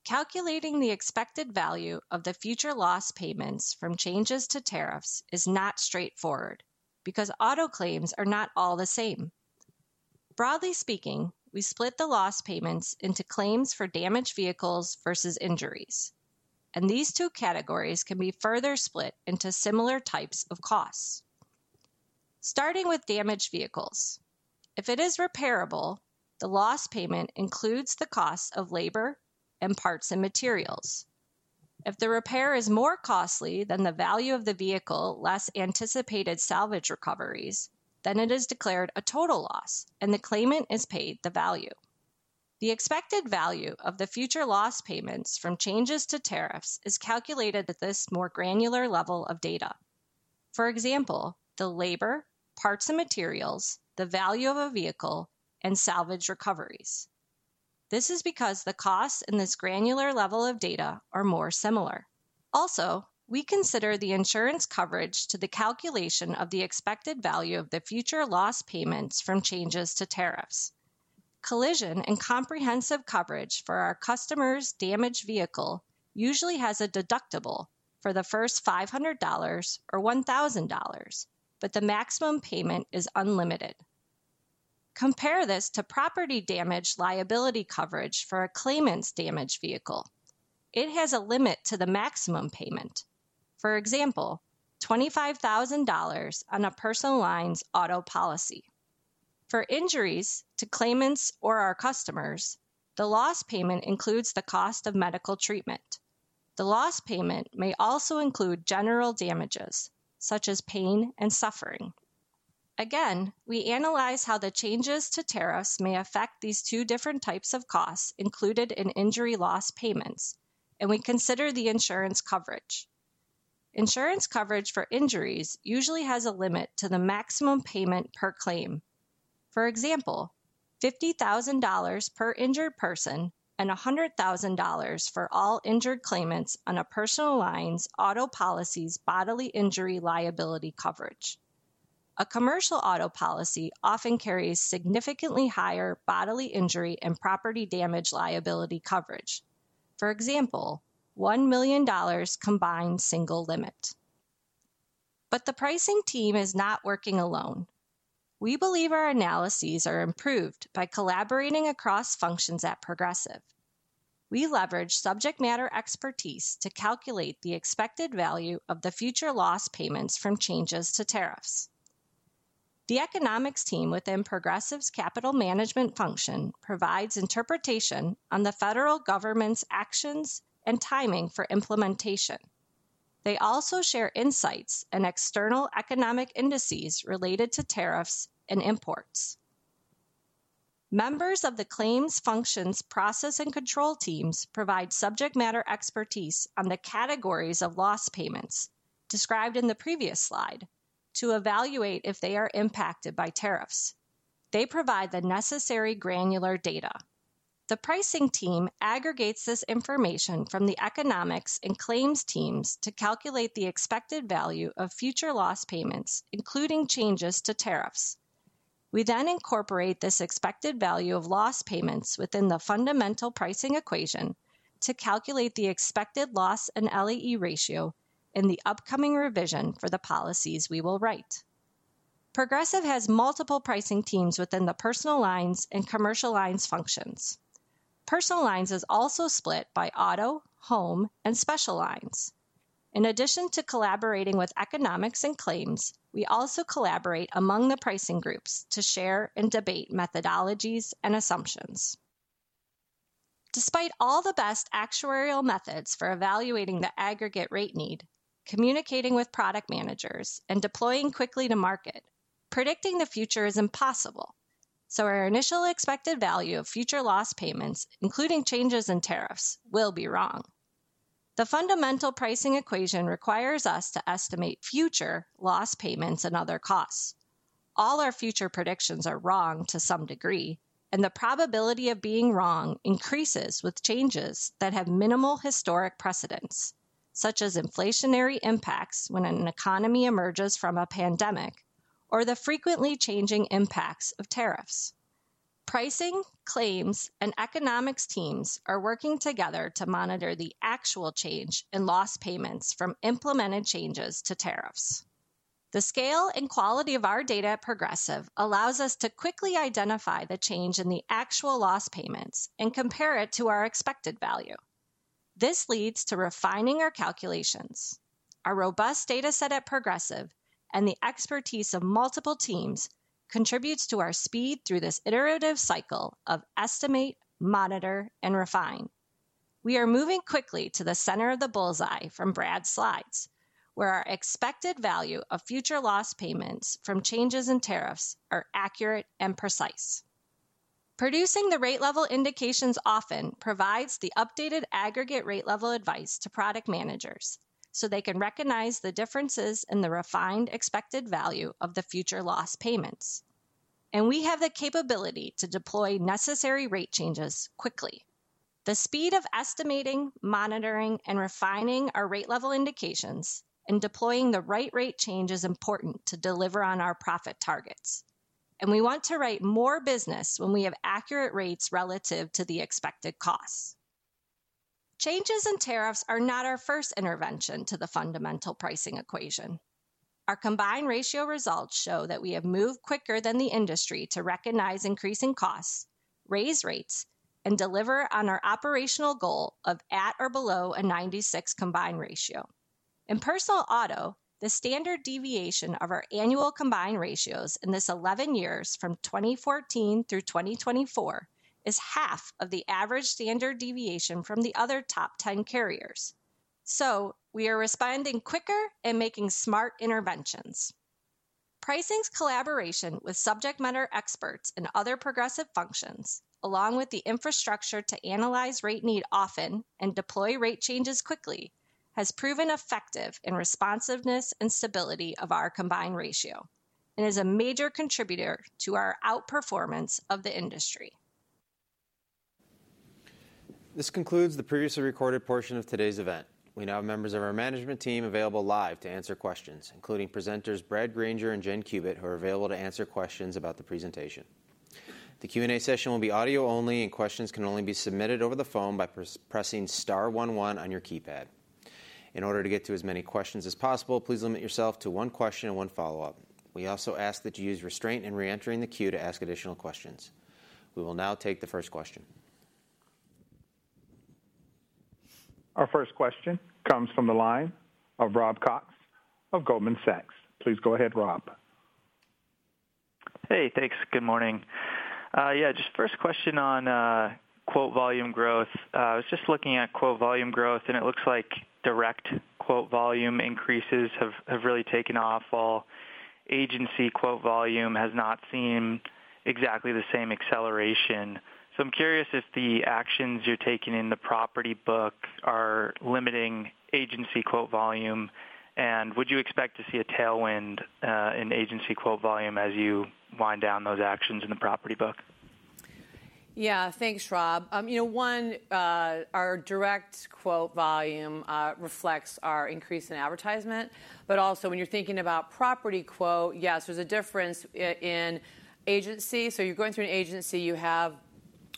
Calculating the expected value of the future loss payments from changes to tariffs is not straightforward because auto claims are not all the same. Broadly speaking, we split the loss payments into claims for damaged vehicles versus injuries, and these two categories can be further split into similar types of costs. Starting with damaged vehicles. If it is repairable, the loss payment includes the cost of labor and parts and materials. If the repair is more costly than the value of the vehicle, less anticipated salvage recoveries, then it is declared a total loss and the claimant is paid the value. The expected value of the future loss payments from changes to tariffs is calculated at this more granular level of data, for example the labor, parts and materials, the value of a vehicle, and salvage recoveries. This is because the costs in this granular level of data are more similar. Also, we consider the insurance coverage to the calculation of the expected value of the future loss payments from changes to tariffs. Collision and comprehensive coverage for our customer's damaged vehicle usually has a deductible for the first $500 or $1,000, but the maximum payment is unlimited. Compare this to property damage liability coverage for a claimant's damaged vehicle. It has a limit to the maximum payment, for example $25,000 on a Personal Lines auto policy. For injuries to claimants or our customers, the loss payment includes the cost of medical treatment. The loss payment may also include general damages such as pain and suffering. We analyze how the changes to tariffs may affect these two different types of costs included in injury loss payments. We consider the insurance coverage. Insurance coverage for injuries usually has a limit to the maximum payment per claim, for example $50,000 per injured person and $100,000 for all injured claimants on a Personal Lines auto policy's bodily injury liability coverage. A commercial auto policy often carries significantly higher bodily injury and property damage liability coverage, for example $1 million combined single limit. The pricing team is not working alone. We believe our analyses are improved by collaborating across functions at Progressive, we leverage subject matter expertise to calculate the expected value of the future loss payments from changes to tariffs. The economics team within Progressive's capital management function provides interpretation on the federal government's actions and timing for implementation. They also share insights and external economic indices related to tariffs and imports. Members of the claims functions, process and control teams provide subject matter expertise on the categories of loss payments described in the previous slide to evaluate if they are impacted by tariffs. They provide the necessary granular data. The pricing team aggregates this information from the economics and claims teams to calculate the expected value of future loss payments, including changes to tariffs. We then incorporate this expected value of loss payments within the fundamental pricing equation to calculate the expected loss and LAE ratio in the upcoming revision for the policies we will write. Progressive has multiple pricing teams within the Personal Lines and Commercial Lines functions. Personal Lines is also split by auto, home, and special lines. In addition to collaborating with economics and claims, we also collaborate among the pricing groups to share and debate methodologies and assumptions. Despite all the best actuarial methods for evaluating the aggregate rate need, communicating with product managers and deploying quickly to market, predicting the future is impossible. Our initial expected value of future loss payments, including changes in tariffs, will be wrong. The fundamental pricing equation requires us to estimate future loss payments and other costs. All our future predictions are wrong to some degree, and the probability of being wrong increases with changes that have minimal historic precedence, such as inflationary impacts when an economy emerges from a pandemic or the frequently changing impacts of tariffs. Pricing, claims, and economics teams are working together to monitor the actual change in loss payments from implemented changes to tariffs. The scale and quality of our data at Progressive allows us to quickly identify the change in the actual loss payments and compare it to our expected value. This leads to refining our calculations. Our robust data set at Progressive and the expertise of multiple teams contributes to our speed through this iterative cycle of estimate, monitor, and refine. We are moving quickly to the center of the bullseye from Brad's slides where our expected value of future loss payments from changes in tariffs are accurate and precise. Producing the rate level indications often provides the updated aggregate rate level advice to product managers so they can recognize the differences in the refined expected value of the future loss payments, and we have the capability to deploy necessary rate changes quickly. The speed of estimating, monitoring, and refining our rate level indications and deploying the right rate change is important to deliver on our profit targets, and we want to write more business when we have accurate rates relative to the expected costs. Changes in tariffs are not our first intervention to the fundamental pricing equation. Our combined ratio results show that we have moved quicker than the industry to recognize increasing costs, raise rates, and deliver on our operational goal of at or below a 96% combined ratio in personal auto. The standard deviation of our annual combined ratios in this 11 years from 2014 through 2024 is half of the average standard deviation from the other top 10 carriers, so we are responding quicker and making smart interventions. Pricing's collaboration with subject matter experts and other Progressive functions, along with the infrastructure to analyze rate need often and deploy rate changes quickly, has proven effective in responsiveness and stability of our combined ratio and is a major contributor to our outperformance of the industry. This concludes the previously recorded portion of today's event. We now have members of our management team available live to answer questions, including presenters Brad Granger and Jen Kubit, who are available to answer questions about the presentation. The Q&A session will be audio only, and questions can only be submitted over the phone by pressing star one one on your keypad. In order to get to as many questions as possible, please limit yourself to one question and one follow-up. We also ask that you use restraint in reentering the queue to ask additional questions. We will now take the first question. Our first question comes from the line of Rob Cox of Goldman Sachs. Please go ahead, Rob. Hey, thanks. Good morning. Just first question on quote volume growth. I was just looking at quote volume growth and it looks like direct quote volume increases have really taken off while agency quote volume has not seen exactly the same acceleration. I'm curious if the actions you're taking in the property book are limiting agency quote volume and would you expect to see a tailwind in agency quote volume as you wind down those actions in the property book? Yeah. Thanks, Rob. You know, our direct quote volume reflects our increase in advertisement, but also when you're thinking about property quote, yes, there's a difference in agency. You're going through an agency, you have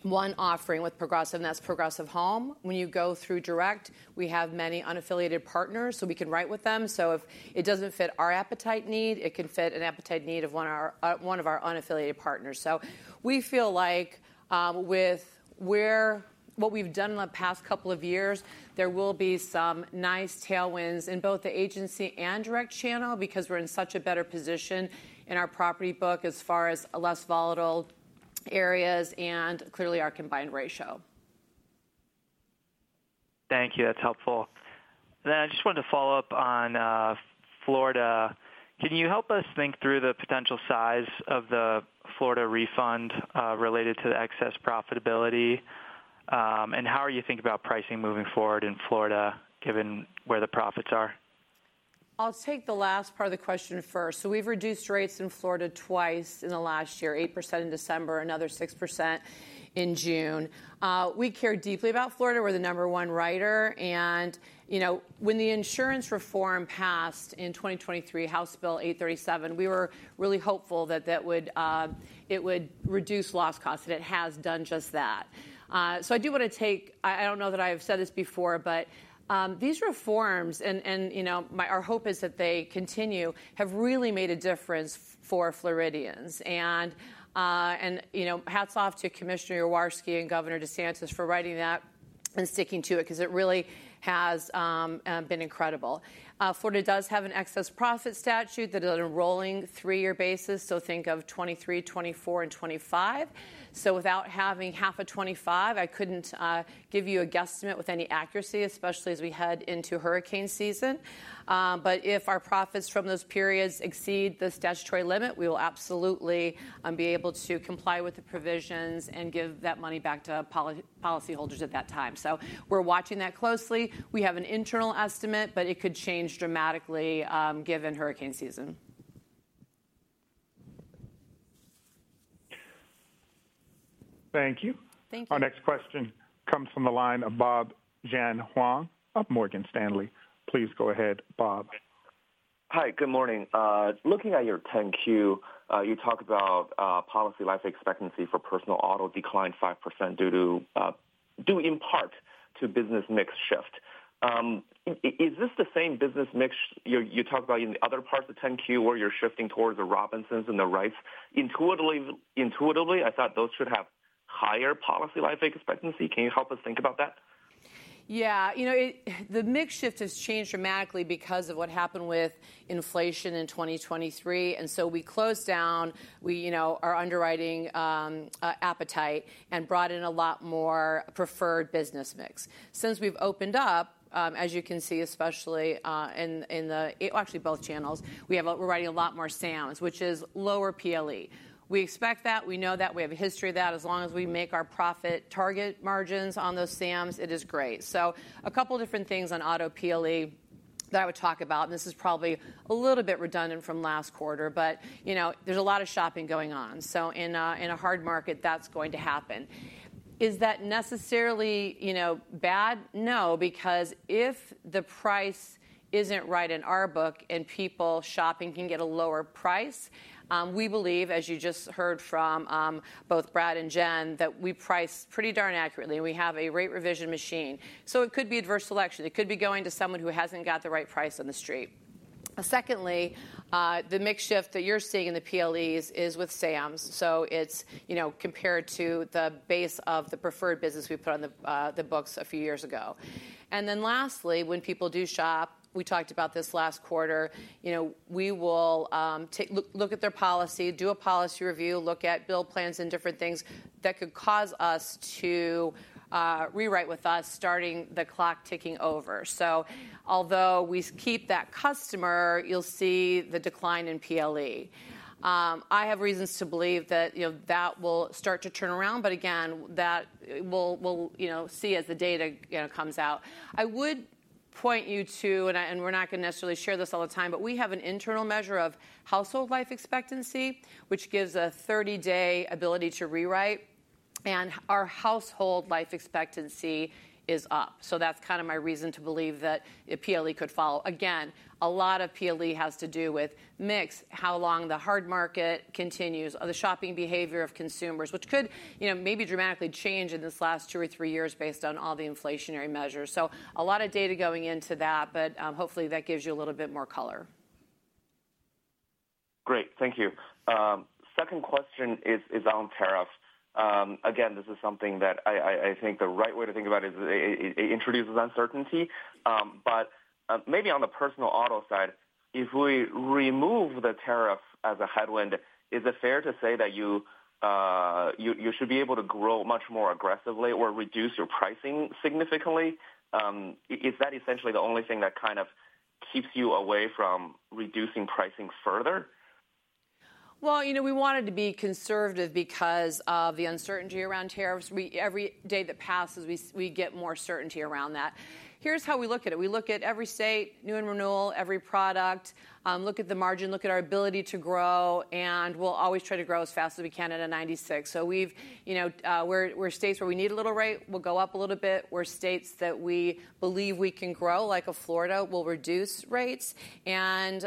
one offering with Progressive and that's Progressive Home. When you go through direct, we have many unaffiliated partners so we can write with them. If it doesn't fit our appetite need, it can fit an appetite need of one of our unaffiliated partners. We feel like with what we've done in the past couple of years there will be some nice tailwinds in both the agency and direct channel because we're in such a better position in our property book as far as less volatile areas and clearly our combined ratio. Thank you. That's helpful. I just wanted to follow up on Florida. Can you help us think through the potential size of the Florida refund related to the excess profitability, and how are you thinking about pricing moving forward in Florida given where the profits are? I'll take the last part of the question first. We've reduced rates in Florida twice in the last year: 8% in December, another 6% in June. We care deeply about Florida. We're the number one writer. When the insurance reform passed in 2023, House Bill 837, we were really hopeful that it would reduce loss costs, and it has done just that. I do want to take a moment—I don't know that I have said this before—but these reforms, and our hope is that they continue, have really made a difference for Floridians. Hats off to Commissioner Yaworski and Governor DeSantis for writing that and sticking to it because it really has been incredible. Florida does have an excess profit statute that is on a rolling three-year basis. Think of 2023, 2024, and 2025. Without having half of 2025, I couldn't give you a guesstimate with any accuracy, especially as we head into hurricane season. If our profits from those periods exceed the statutory limit, we will absolutely be able to comply with the provisions and give that money back to policyholders at that time. We're watching that closely. We have an internal estimate, but it could change dramatically given hurricane season. Thank you. Our next question comes from the line of Bob Huang of Morgan Stanley. Please go ahead. Bob. Hi, good morning. Looking at your 10-Q, you talk about policy life expectancy for personal auto declined 5% due in part to business mix shift. Is this the same business mix you talk about in other parts of the 10-Q where you're shifting towards the Robinsons and the rights? Intuitively, I thought those should have higher policy life expectancy. Can you help us think about that? Yeah. You know, the mix shift has changed dramatically because of what happened with inflation in 2023. We closed down our underwriting appetite and brought in a lot more preferred business mix. Since we've opened up, as you can see, especially in actually both channels, we're writing a lot more Sams, which is lower PLE. We expect that. We know that. We have a history of that. As long as we make our profit target margins on those Sams, it is great. A couple different things on auto PLE that I would talk about, and this is probably a little bit redundant from last quarter, but there's a lot of shopping going on. In a hard market that's going to happen. Is that necessarily, you know, bad? No, because if the price isn't right in our book and people shopping can get a lower price, we believe, as you just heard from both Brad and Jen, that we price pretty darn accurately. We have a rate revision machine. It could be adverse selection, it could be going to someone who hasn't got the right price on the street. Secondly, the mix shift that you're seeing in the PLEs is with Sams. Compared to the base of the preferred business we put on the books a few years ago. Lastly, when people do shop, we talked about this last quarter, we will look at their policy, do a policy review, look at bill plans and different things that could cause us to rewrite with us starting the clock ticking over. Although we keep that customer, you'll see the decline in PLE. I have reasons to believe that will start to turn around. Again, we'll see as the data comes out. I would point you to, and we're not going to necessarily share this all the time, but we have an internal measure of household life expectancy which gives a 30-day ability to rewrite and our household life expectancy is up. That's kind of my reason to believe that PLE could follow. Again, a lot of PLE has to do with mix, how long the hard market continues, the shopping behavior of consumers, which could maybe dramatically change in this last two or three years based on all the inflationary measures. A lot of data going into that, but hopefully that gives you a little bit more color. Great, thank you. Second question is on tariffs. This is something that I think the right way to think about. It introduces uncertainty. Maybe on the personal auto side, if we remove the tariff as a headwind, is it fair to say that you should be able to grow much more aggressively or reduce your pricing significantly? Is that essentially the only thing that kind of keeps you away from reducing pricing further? You know, we wanted to be conservative because of the uncertainty around tariffs. Every day that passes we get more certainty around that. Here's how we look at it. We look at every state, new and renewal, every product, look at the margin, look at our ability to grow, and we'll always try to grow as fast as we can at a 96. We're states where we need a little rate, we'll go up a little bit. Where states that we believe we can grow, like Florida, we'll reduce rates and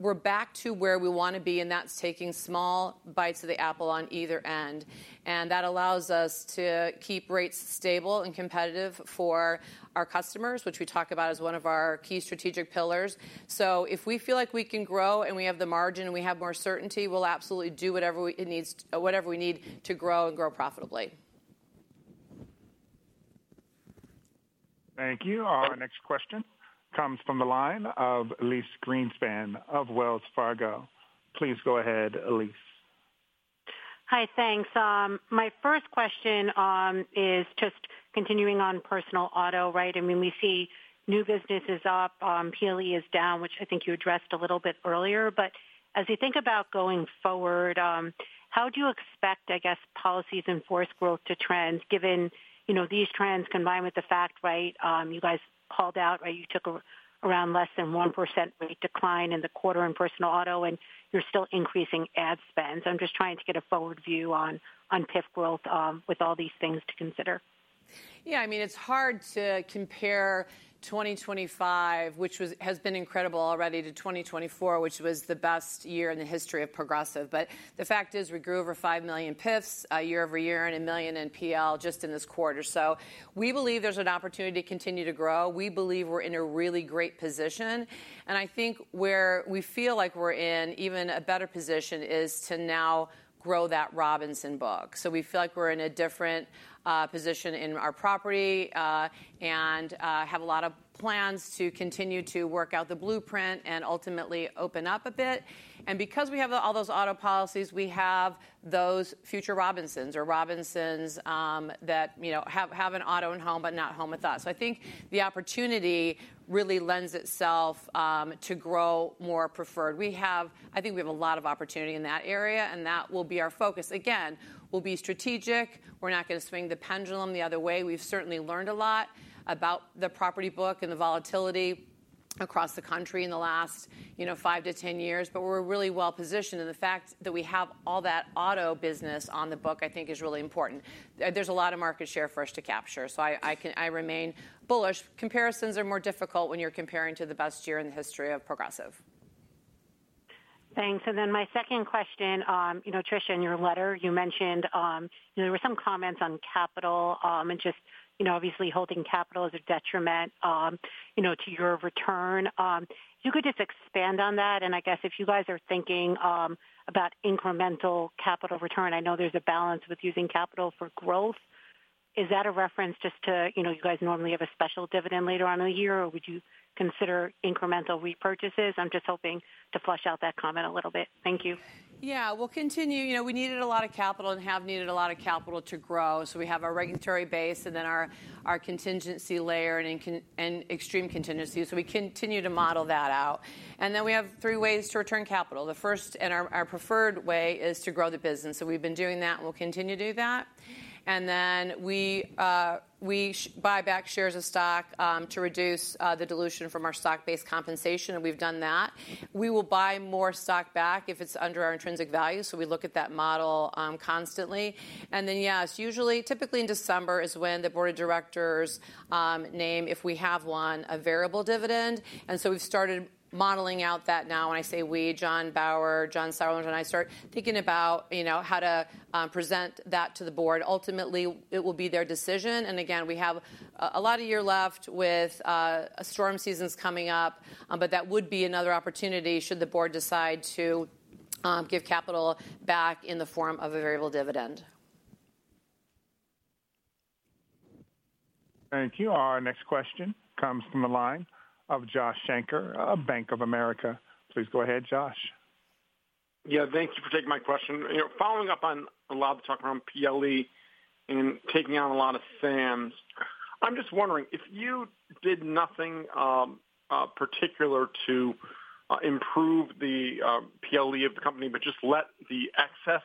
we're back to where we want to be. That's taking small bites of the apple on either end. That allows us to keep rates stable and competitive for our customers, which we talk about as one of our key strategic pillars. If we feel like we can grow and we have the margin and we have more certainty, we'll absolutely do whatever it needs to, whatever we need to grow and grow profitably. Thank you. Our next question comes from the line of Elyse Greenspan of Wells Fargo. Please go ahead. Elyse. Hi. Thanks. My first question is just continuing on personal auto. Right. I mean, we see new business is up. PIF is down, which I think you addressed a little bit earlier. As you think about going forward, how do you expect, I guess, policies in force growth to trend? Given these trends, combined with the fact you guys called out, you took around less than 1% decline in the quarter in personal auto and you're still increasing ad spend. I'm just trying to get a forward view on PIF growth with all these things to consider. Yeah, I mean, it's hard to compare 2025, which has been incredible already, to 2024, which was the best year in the history of Progressive. The fact is we grew over 5 million PIFs year-over-year and a million in PL just in this quarter. We believe there's an opportunity to continue to grow. We believe we're in a really great position. I think where we feel like we're in even a better position is to now grow that Robinson book. We feel like we're in a different position in our property and have a lot of plans to continue to work out the blueprint and ultimately open up a bit. Because we have all those auto policies, we have those future Robinsons or Robinsons that have an auto and home but not home with us, I think the opportunity really lends itself to grow more preferred. I think we have a lot of opportunity in that area and that will be our focus. Again, we'll be strategic. We're not going to swing the pendulum the other way. We've certainly learned a lot about the property book and the volatility across the country in the last five to 10 years. We're really well positioned. The fact that we have all that auto business on the book, I think is really important. There's a lot of market share for us to capture. I remain bullish. Comparisons are more difficult when you're comparing to the best year in the history of Progressive. Thanks. My second question. You know, Tricia, in your letter you. There were some comments on capital and obviously holding capital as a detriment to your return. Could you expand on that? If you are thinking about incremental capital return, I know there's a balance with using capital for growth. Is that a reference to you normally having a special dividend later on in the year, or would you consider incremental repurchases? I'm hoping to flush out that comment a little bit. Thank you. Yeah, we'll continue. You know, we needed a lot of capital and have needed a lot of capital to grow. We have our regulatory base and then our contingency layer and extreme contingency. We continue to model that out. We have three ways to return capital. The first and our preferred way is to grow the business. We've been doing that and we'll continue to do that. We buy back shares of stock to reduce the dilution from our stock-based compensation. We've done that. We will buy more stock back if it's under our intrinsic value. We look at that model constantly. Yes, usually, typically in December is when the Board of Directors name, if we have one, a variable dividend. We've started modeling out that. Now I say we, Jon Bauer, John Sauerland, and I start thinking about how to present that to the Board. Ultimately it will be their decision. We have a lot of year left with storm seasons coming up. That would be another opportunity should the Board decide to give capital back in the form of a variable dividend. Thank you. Our next question comes from the line of Josh Shanker, Bank of America. Please go ahead. Josh. Yeah, thank you for taking my question. You know, following up on a lot of talk around PLE and taking on a lot of Sams, I'm just wondering if you did nothing particular to improve the PLE of the company, but just let the excess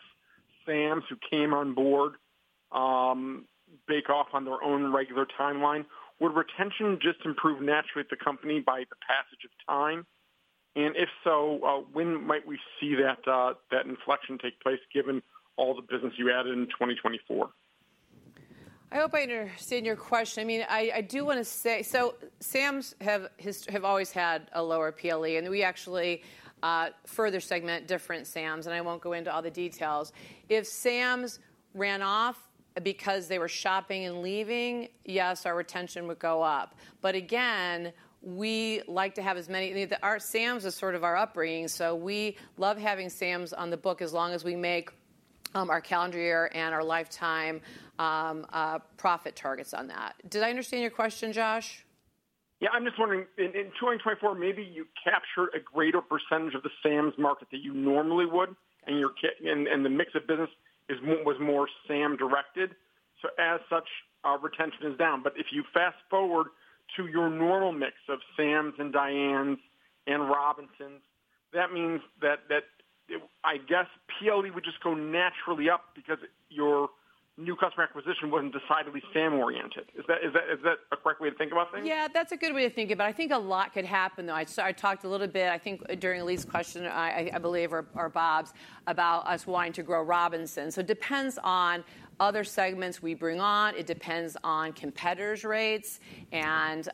Sams who came on board bake off on their own regular timeline, would retention just improve naturally at the company by the passage of time? If so, when might we see that inflection take place given all the business you added in 2024? I hope I understand your question. I do want to say Sams have always had a lower PLE and we actually further segment different Sams and I won't go into all the details. If Sams ran off because they were shopping and leaving, yes, our retention would go up. Again, we like to have as many. Our Sams is sort of our upbringing so we love having Sams on the book as long as we make our calendar year and our lifetime profit targets on that. Did I understand your question, Josh? Yeah, I'm just wondering in 2024 maybe you captured a greater percentage of the Sams market than you normally would and your kit and the mix of business was more Sam directed. As such, our retention is down. If you fast forward to your normal mix of Sams and Dianes and Robinsons, that means that, I guess, PLE would just go naturally up because your new customer acquisition wasn't decidedly Sam oriented. Is that a correct way to think about things? Yeah, that's a good way to think about. I think a lot could happen though. I talked a little bit, I think during Elyse's question, I believe, or Bob's, about us wanting to grow Robinsons. It depends on other segments we bring on. It depends on competitors' rates and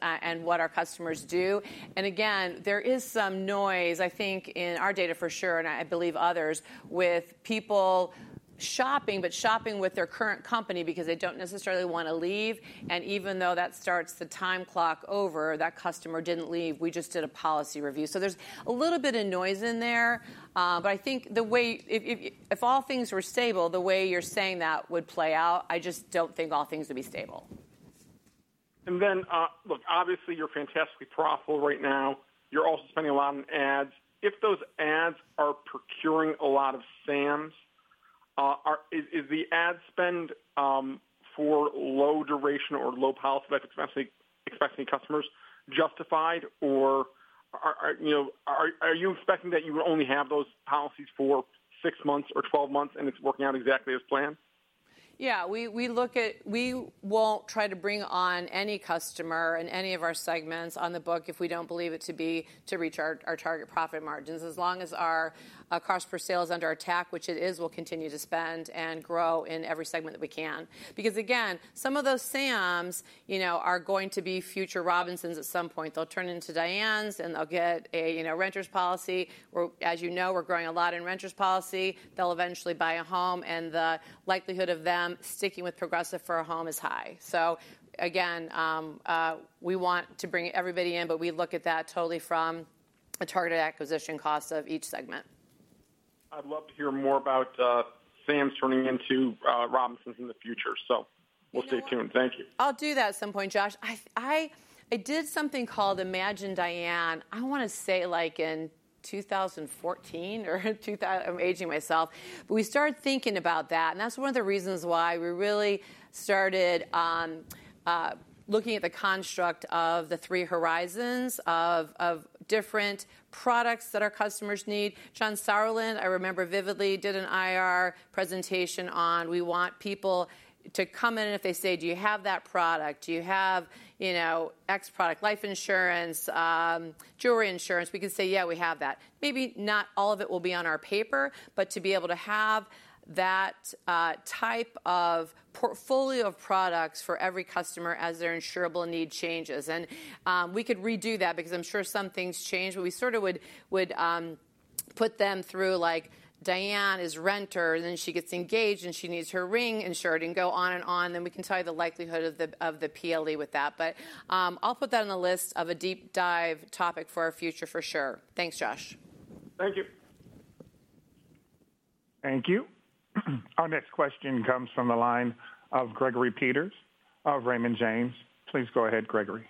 what our customers do. There is some noise, I think, in our data for sure, and I believe others, with people shopping but shopping with their current company because they don't necessarily want to leave. Even though that starts the time clock over, that customer didn't leave. We just did a policy review, so there's a little bit of noise in there. I think the way, if all things were stable the way you're saying, that would play out. I just don't think all things would be stable. Obviously you're fantastically profitable right now. You're also spending a lot on ads. If those ads are procuring a lot of Sams, is the ad spend for low duration or low policy life expectancy customers justified, or are you expecting that you would only have those policies for six months or 12 months and it's working out exactly as planned? Yeah, we won't try to bring on any customer in any of our segments on the book if we don't believe it to be to reach our target profit margins. As long as our cost per sale is under attack, which it is, we'll continue to spend and grow in every segment that we can because again some of those Sams, you know, are going to be future Robinsons at some point they'll turn into Diane's and they'll get a, you know, renters policy. As you know, we're growing a lot in renters policy. They'll eventually buy a home and the likelihood of them sticking with Progressive for a home is high. We want to bring everybody in, but we look at that totally from the targeted acquisition cost of each segment. I'd love to hear more about Sams turning into Robinsons in the future. We'll stay tuned. Thank you. I'll do that at some point. Josh, I did something called Imagine Diane, I want to say like in 2014 or I'm aging myself. We started thinking about that and that's one of the reasons why we really started looking at the construct of the three horizons of different products that our customers need. John Sauerland, I remember vividly, did an iron presentation on we want people to come in if they say, do you have that product? Do you have, you know, X product, life insurance, jewelry insurance, we can say, yeah, we have that. Maybe not all of it will be on our paper, but to be able to have that type of portfolio of products for every customer as their insurable need changes and we could redo that because I'm sure some things change, but we sort of would put them through like Diane is a renter and then she gets engaged and she needs her ring insured and go on and on. We can tell you the likelihood of the PLE with that. I'll put that on the list of a deep dive topic for our future for sure. Thanks, Josh. Thank you. Thank you. Our next question comes from the line of Gregory Peters of Raymond James. Please go ahead, Gregory.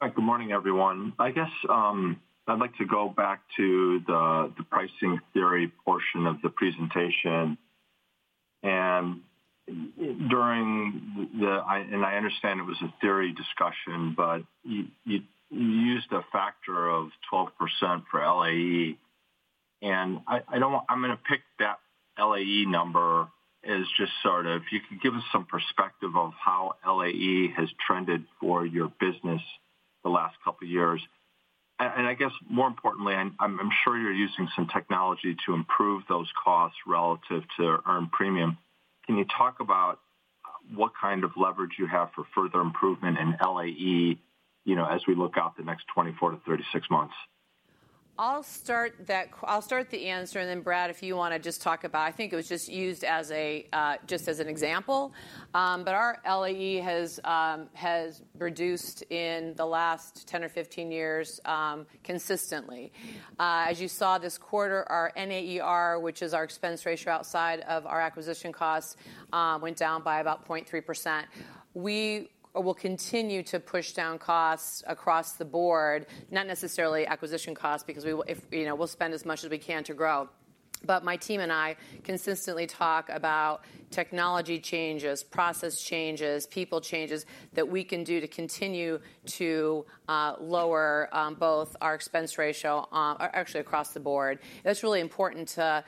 Good morning, everyone. I guess I'd like to go back to the pricing theory portion of the presentation. I understand it was a theory discussion, but you used a factor of 12% for LAE, and I don't. I'm going to pick that LAE number as just sort of. You can give us some perspective of how LAE has trended for your business the last couple years. I guess more importantly, I'm sure you're using some technology to improve those costs relative to earned premium. Can you talk about what kind of leverage you have for further improvement in LAE as we look out the next 24 to 36 months. I'll start the answer and then Brad, if you want to just talk about it. I think it was just used as an example, but our LAE has reduced in the last 10 or 15 years consistently. As you saw this quarter, our NAER, which is our expense ratio outside of our acquisition costs, went down by about 0.3%. We will continue to push down costs across the board, not necessarily acquisition costs because we will spend as much as we can to grow. My team and I consistently talk about technology changes, process changes, people changes that we can do to continue to lower both our expense ratio actually across the board. That's really important to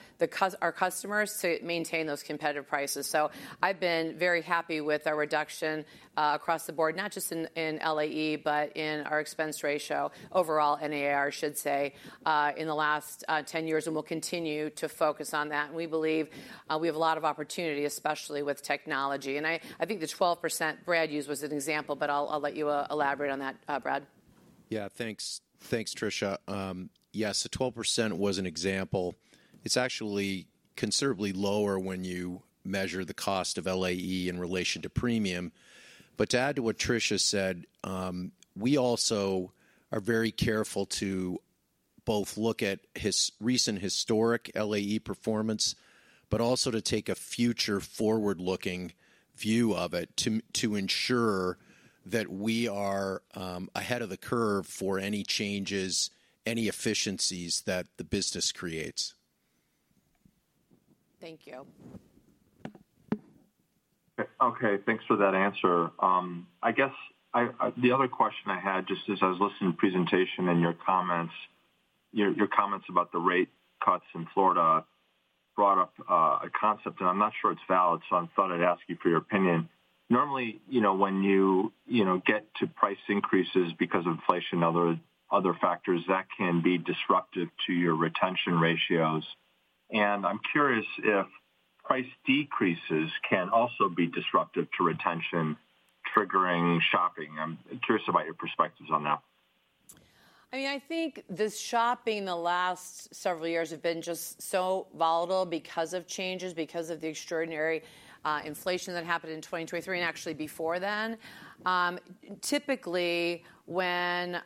our customers to maintain those competitive prices. I've been very happy with our reduction across the board, not just in LAE, but in our expense ratio overall, NAR I should say, in the last 10 years. We will continue to focus on that and we believe we have a lot of opportunity, especially with technology. I think the 12% Brad used was an example, but I'll let you elaborate on that, Brad. Yeah, thanks Tricia. Yes, the 12% was an example. It's actually considerably lower when you measure the cost of LAE in relation to premium. To add to what Tricia said, we also are very careful to both look at recent historic LAE performance, but also to take a future forward looking view of it to ensure that we are ahead of the curve for any changes, any efficiencies that the business creates. Thank you. Okay, thanks for that answer. I guess the other question I had just as I was listening to the presentation and your comments, your comments about the rate cuts in Florida brought up a concept and I'm not sure it's valid. I thought I'd ask you for your opinion. Normally when you get to price increases because of inflation, other factors that can be disruptive to your retention ratios, I'm curious if price decreases can also be disruptive to retention, triggering shopping. I'm curious about your perspectives on that. I think this shopping, the last several years have been just so volatile because of changes, because of the extraordinary inflation that happened in 2023 and actually before. Typically when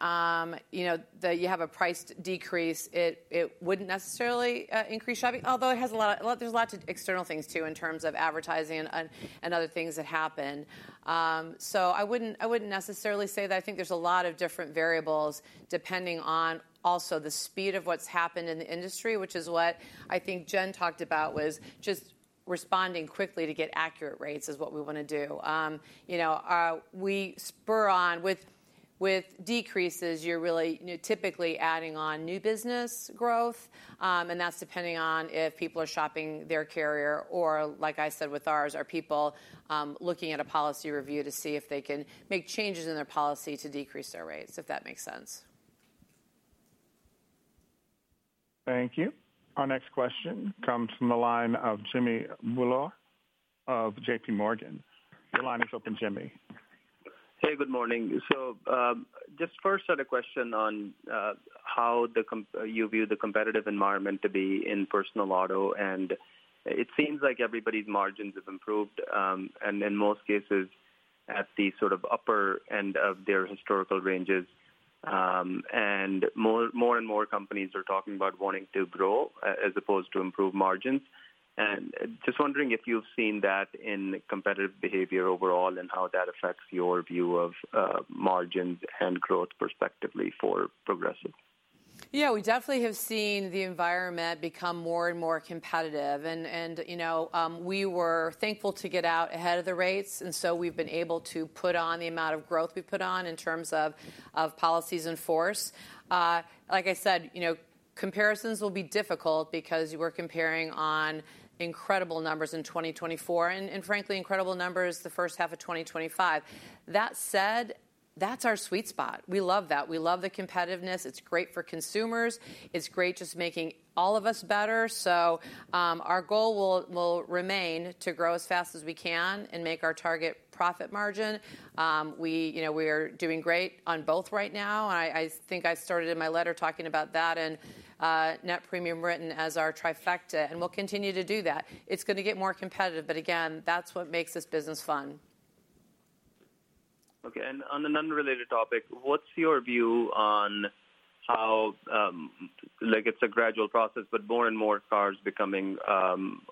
you know that you have a price decrease, it wouldn't necessarily increase shopping, although it has a lot. There are lots of external things too in terms of advertising and other things that happen. I wouldn't necessarily say that. I think there's a lot of different variables depending on also the speed of what's happened in the industry, which is what I think Jen talked about was just responding quickly to get accurate rates is what we want to do. We spur on with decreases, you're really typically adding on new business growth and that's depending on if people are shopping their carrier or like I said with ours, are people looking at a policy review to see if they can make changes in their policy to decrease their rates, if that makes sense. Thank you. Our next question comes from the line of Jimmy Bhullar of JPMorgan. Your line is open. Jimmy. Hey, good morning. Just first had a question on how you view the competitive environment to be in personal auto. It seems like everybody's margins have improved, and in most cases at the upper end of their historical ranges. More and more companies are talking about wanting to grow as opposed to improve margins. Just wondering if you've seen that in competitive behavior overall and how that affects your view of margins and growth perspectively for Progressive. Yeah, we definitely have seen the environment become more and more competitive, and we were thankful to get out ahead of the rates. We've been able to put on the amount of growth we put on in terms of policies in force. Like I said, comparisons will be difficult because you were comparing on incredible numbers in 2024 and, frankly, incredible numbers the first half of 2025. That said, that's our sweet spot. We love that. We love the competitiveness. It's great for consumers. It's great just making all of us better. Our goal will remain to grow as fast as we can and make our target profit margin. We are doing great on both right now. I think I started in my letter talking about that and net premium written as our trifecta, and we'll continue to do that. It's going to get more competitive, but again that's what makes this business fun. Okay. On an unrelated topic, what's your view on how it's a gradual process, but more and more cars are becoming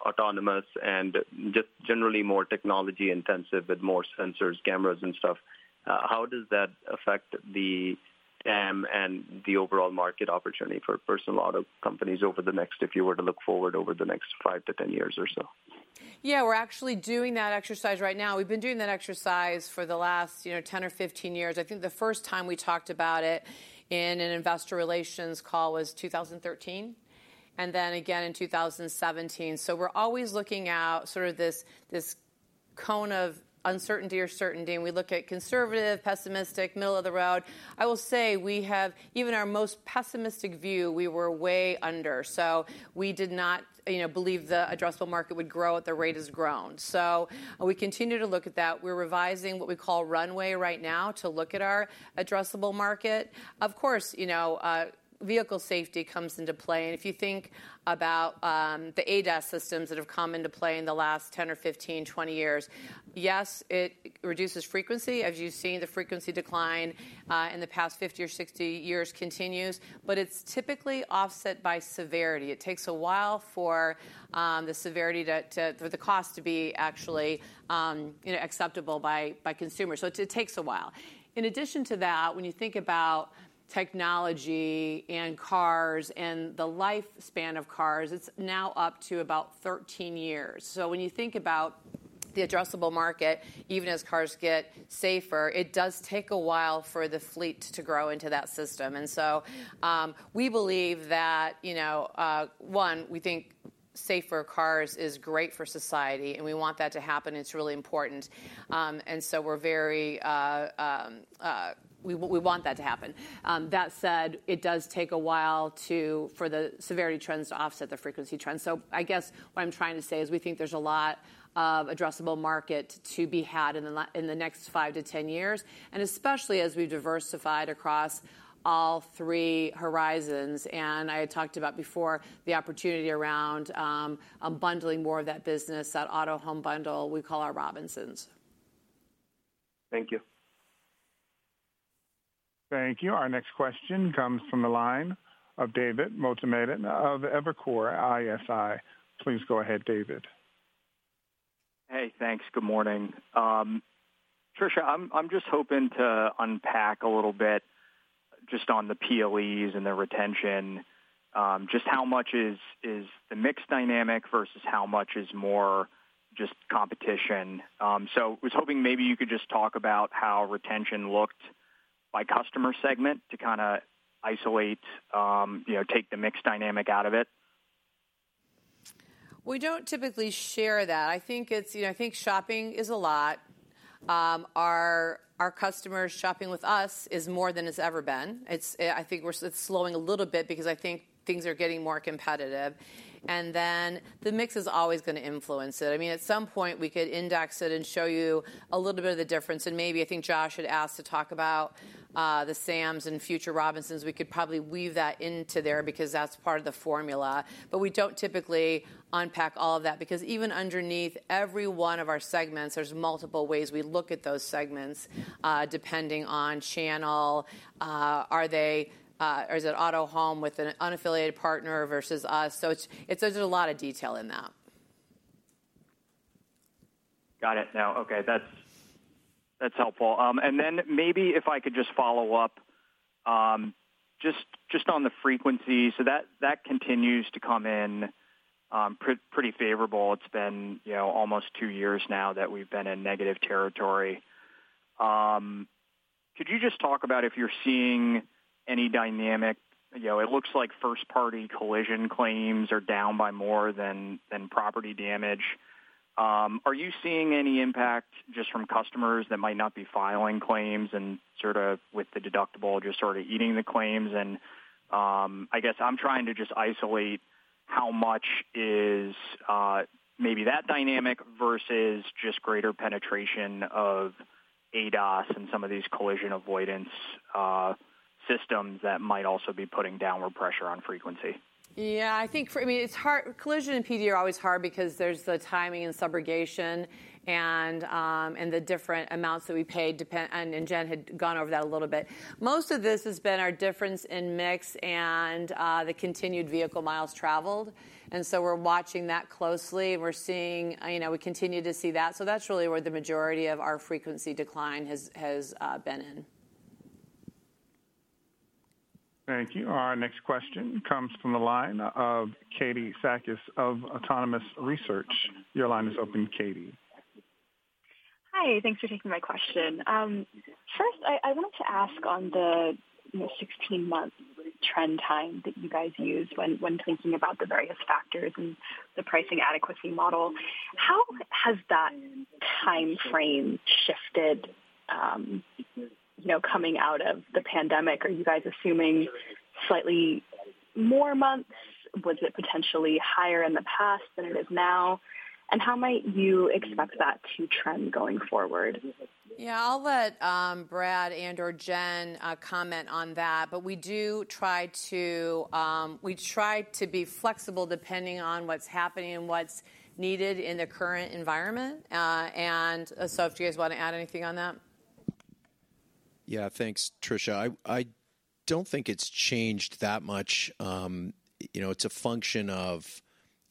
autonomous and just generally more technology intensive with more sensors, cameras, and stuff? How does that affect the TAM and the overall market opportunity for personal auto companies if you were to look forward over the next five to ten years or so? Yeah, we're actually doing that exercise right now. We've been doing that exercise for the last 10 or 15 years. I think the first time we talked about it in an investor relations call was 2013 and then again in 2017. We're always looking at sort of this cone of uncertainty or certainty, and we look at conservative, pessimistic, middle of the road. I will say even our most pessimistic view, we were way under. We did not believe the addressable market would grow at the rate it has grown. We continue to look at that. We're revising what we call Runway right now to look at our addressable market. Of course, you know, vehicle safety comes into play. If you think about the ADAS systems that have come into play in the last 10 or 15, 20 years, it reduces frequency. As you've seen, the frequency decline in the past 50 or 60 years continues, but it's typically offset by severity. It takes a while for the severity, for the cost to be actually acceptable by consumers. It takes a while. In addition to that, when you think about technology in cars and the lifespan of cars, it's now up to about 13 years. When you think about the addressable market, even as cars get safer, it does take a while for the fleet to grow into that system. We believe that, you know, one, we think safer cars is great for society and we want that to happen. It's really important. We want that to happen. That said, it does take a while for the severity trends to offset the frequency trend. I guess what I'm trying to say is we think there's an addressable market to be had in the next five to ten years, especially as we've diversified across all three horizons. I had talked about before the opportunity around bundling more of that business, that auto home bundle we call our Robinsons. Thank you. Thank you. Our next question comes from the line of David Motemaden of Evercore ISI. Please go ahead, David. Hey, thanks. Good morning, Tricia. I'm just hoping to unpack a little bit just on the PLEs and the retention. Just how much is the mix dynamic versus how much is more just competition. I was hoping maybe you could just talk about how retention looked by customer segment to kind of isolate, take the mix dynamic out of it. We don't typically share that. I think shopping is a lot. Our. Our customers shopping with us is more than it's ever been. I think it's slowing a little bit because I think things are getting more competitive. The mix is always going to influence it. At some point we could index it and show you a little bit of the difference. I think Josh had asked to talk about the Sams and future Robinsons. We could probably weave that into there because that's part of the formula. We don't typically unpack all of that because even underneath every one of our segments, there's multiple ways we look at those segments depending on channel. Is it auto home with an unaffiliated partner versus us? There's a lot of detail in that. Got it now. Okay, that's helpful. Maybe if I could just follow up just on the frequency. That continues to come in pretty favorable. It's been, you know, almost two years now that we've been in negative territory. Could you just talk about if you're seeing any dynamic? It looks like first party collision claims are down by more than property damage. Are you seeing any impact just from customers that might not be filing claims and sort of with the deductible just sort of eating the claims? I guess I'm trying to just isolate how much is maybe that dynamic versus just greater penetration of ADAS and some of these collision avoidance systems that might also be putting downward pressure on frequency. I think it's hard. Collision and PD are always hard because there's the timing and subrogation, and the different amounts that we pay depend, and Jen had gone over that a little bit. Most of this has been our difference in mix and the continued vehicle miles traveled. We're watching that closely. We're seeing, you know, we continue to see that. That's really where the majority of our frequency decline has been in. Thank you. Our next question comes from the line of Katie Sakys of Autonomous Research. Your line is open. Katie. Hi, thanks for taking my question. First, I wanted to ask on the 16-month trend time that you guys use when thinking about the various factors, the pricing adequacy model, how has that time frame shifted coming out of the pandemic? Are you guys assuming slightly more months? Was it potentially higher in the past than it is now, and how might you expect that to trend going forward? I'll let Brad or Jen comment on that. We do try to be flexible depending on what's happening and what's needed in the current environment. If you guys want to add anything on that. Yeah, thanks Tricia. I don't think it's changed that much. It's a function of,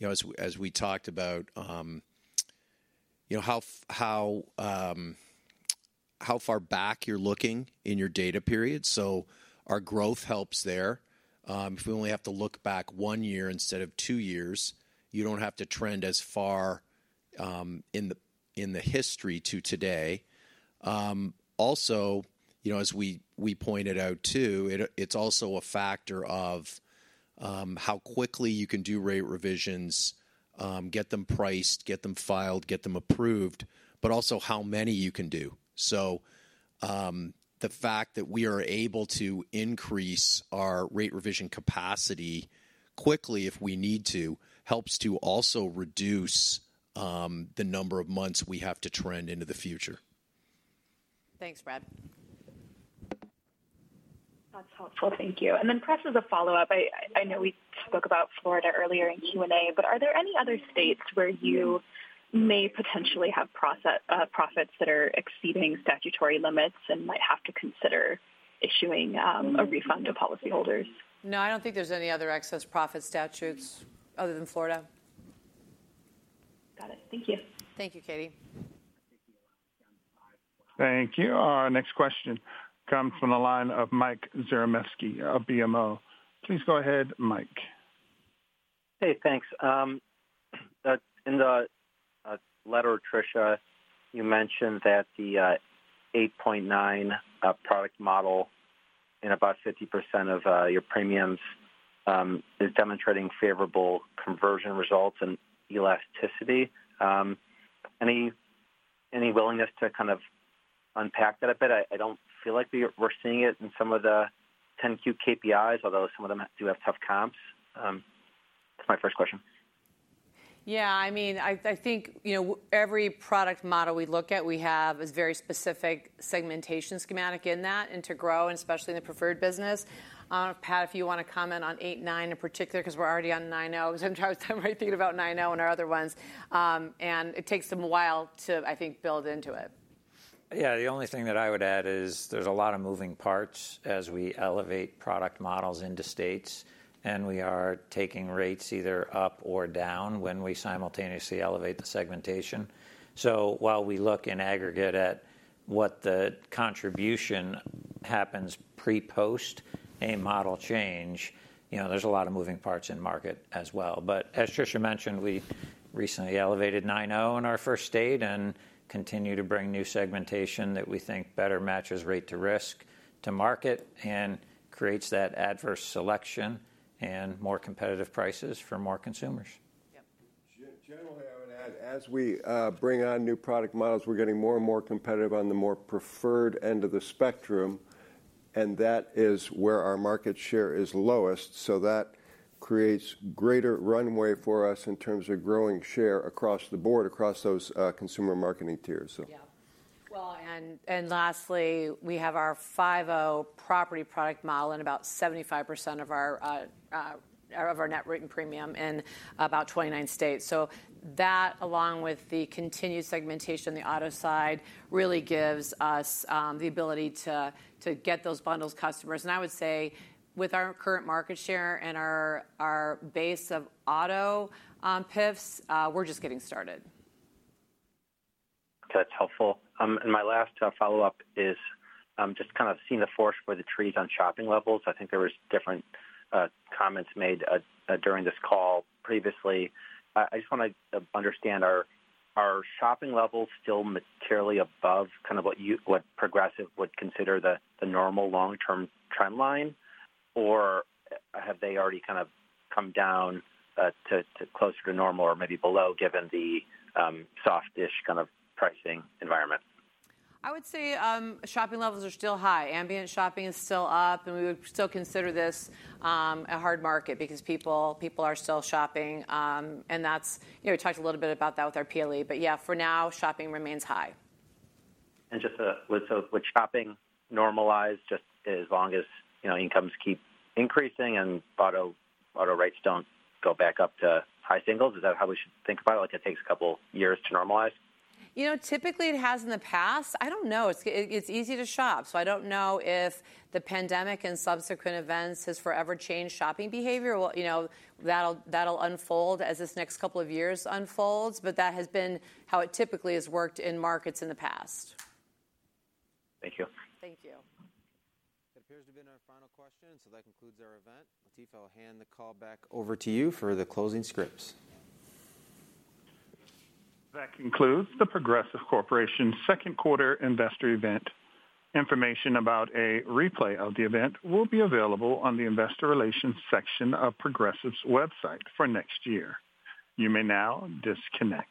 as we talked about, how far back you're looking in your data period. Our growth helps there. If we only have to look back one year instead of two years, you don't have to trend as far in the history to today. Also, as we pointed out, it's also a factor of how quickly you can do rate revisions, get them priced, get them filed, get them approved, but also how many you can do. The fact that we are able to increase our rate revision capacity quickly if we need to helps to also reduce the number of months we have to trend into the future. Thanks Brad. That's helpful. Thank you. As a follow-up, I know we spoke about Florida earlier in Q&A, but are there any other states where you may potentially have profits that are exceeding statutory limits and might have to consider issuing a refund to policyholders? No, I don't think there's any other excess profit statutes other than Florida. Got it. Thank you. Thank you, Katie. Thank you. Our next question comes from the line of Mike Zaremski at BMO. Please go ahead, Mike. Hey, thanks. In the letter, Tricia, you mentioned that the 8.9 product model in about 50% of your premiums is demonstrating favorable conversion results and elasticity. Any willingness to kind of unpack that a bit? I don't feel like we're seeing it in some of the 10-Q KPIs, although some of them do have tough comps. My first question. Yeah, I mean I think every product model we look at, we have a very specific segmentation schematic in that, and to grow, and especially in the preferred business. Pat, if you want to comment on 89 in particular, because we're already on 90 thinking about 9 and our other ones, and it takes them a while to build into it. Yeah. The only thing that I would add is there's a lot of moving parts as we elevate product models into states, and we are taking rates either up or down when we simultaneously elevate the segmentation. While we look in aggregate at what the contribution happens pre and post a model change, there's a lot of moving parts in market as well. As Tricia mentioned, we recently elevated 90 in our first state and continue to bring new segmentation that we think better matches rate to risk to market and creates that adverse selection and more competitive prices for more consumers. Yep. Generally, I would add as we bring. On new product models, we're getting more and more competitive on the more preferred end of the spectrum, and that is where our market share is lowest. That creates greater runway for us in terms of growing share across the board across those consumer marketing tiers. Lastly, we have our 50 property product model and about 75% of our net written premium in about 29 states. That, along with the continued segmentation on the auto side, really gives us the ability to get those bundles customers. I would say with our current market share and our base of auto PIFs, we're just getting started. Okay, that's helpful. My last follow up is just kind of seeing the forest for the trees. On shopping levels, I think there were different comments made during this call previously. I just want to understand, are shopping levels still materially above kind of what Progressive would consider the normal long term trend line, or have they already kind of come down to closer to normal or maybe below, given the softish kind of pricing. Environment, I would say shopping levels are still high. Ambient shopping is still up, and we would still consider this a hard market because people are still shopping, and that's, you know, we talked a little bit about that with our play. For now, shopping remains high. Would shopping normalize just as long as, you know, incomes keep increasing and auto rates don't go back up to high singles? Is that how we should think about it, like it takes a couple years to normalize? Typically it has in the past. I don't know, it's easy to shop. I don't know if the pandemic and subsequent events has forever changed shopping behavior. That'll unfold as this next couple of years unfolds, but that has been how it typically has worked in markets in the past. Thank you. Thank you. That appears to have been our final question. That concludes our event, Lateef. I'll hand the call back over to you for the closing scripts. That concludes the Progressive Corporation second quarter investor event. Information about a replay of the event will be available on the investor relations section of Progressive's website for next year. You may now disconnect.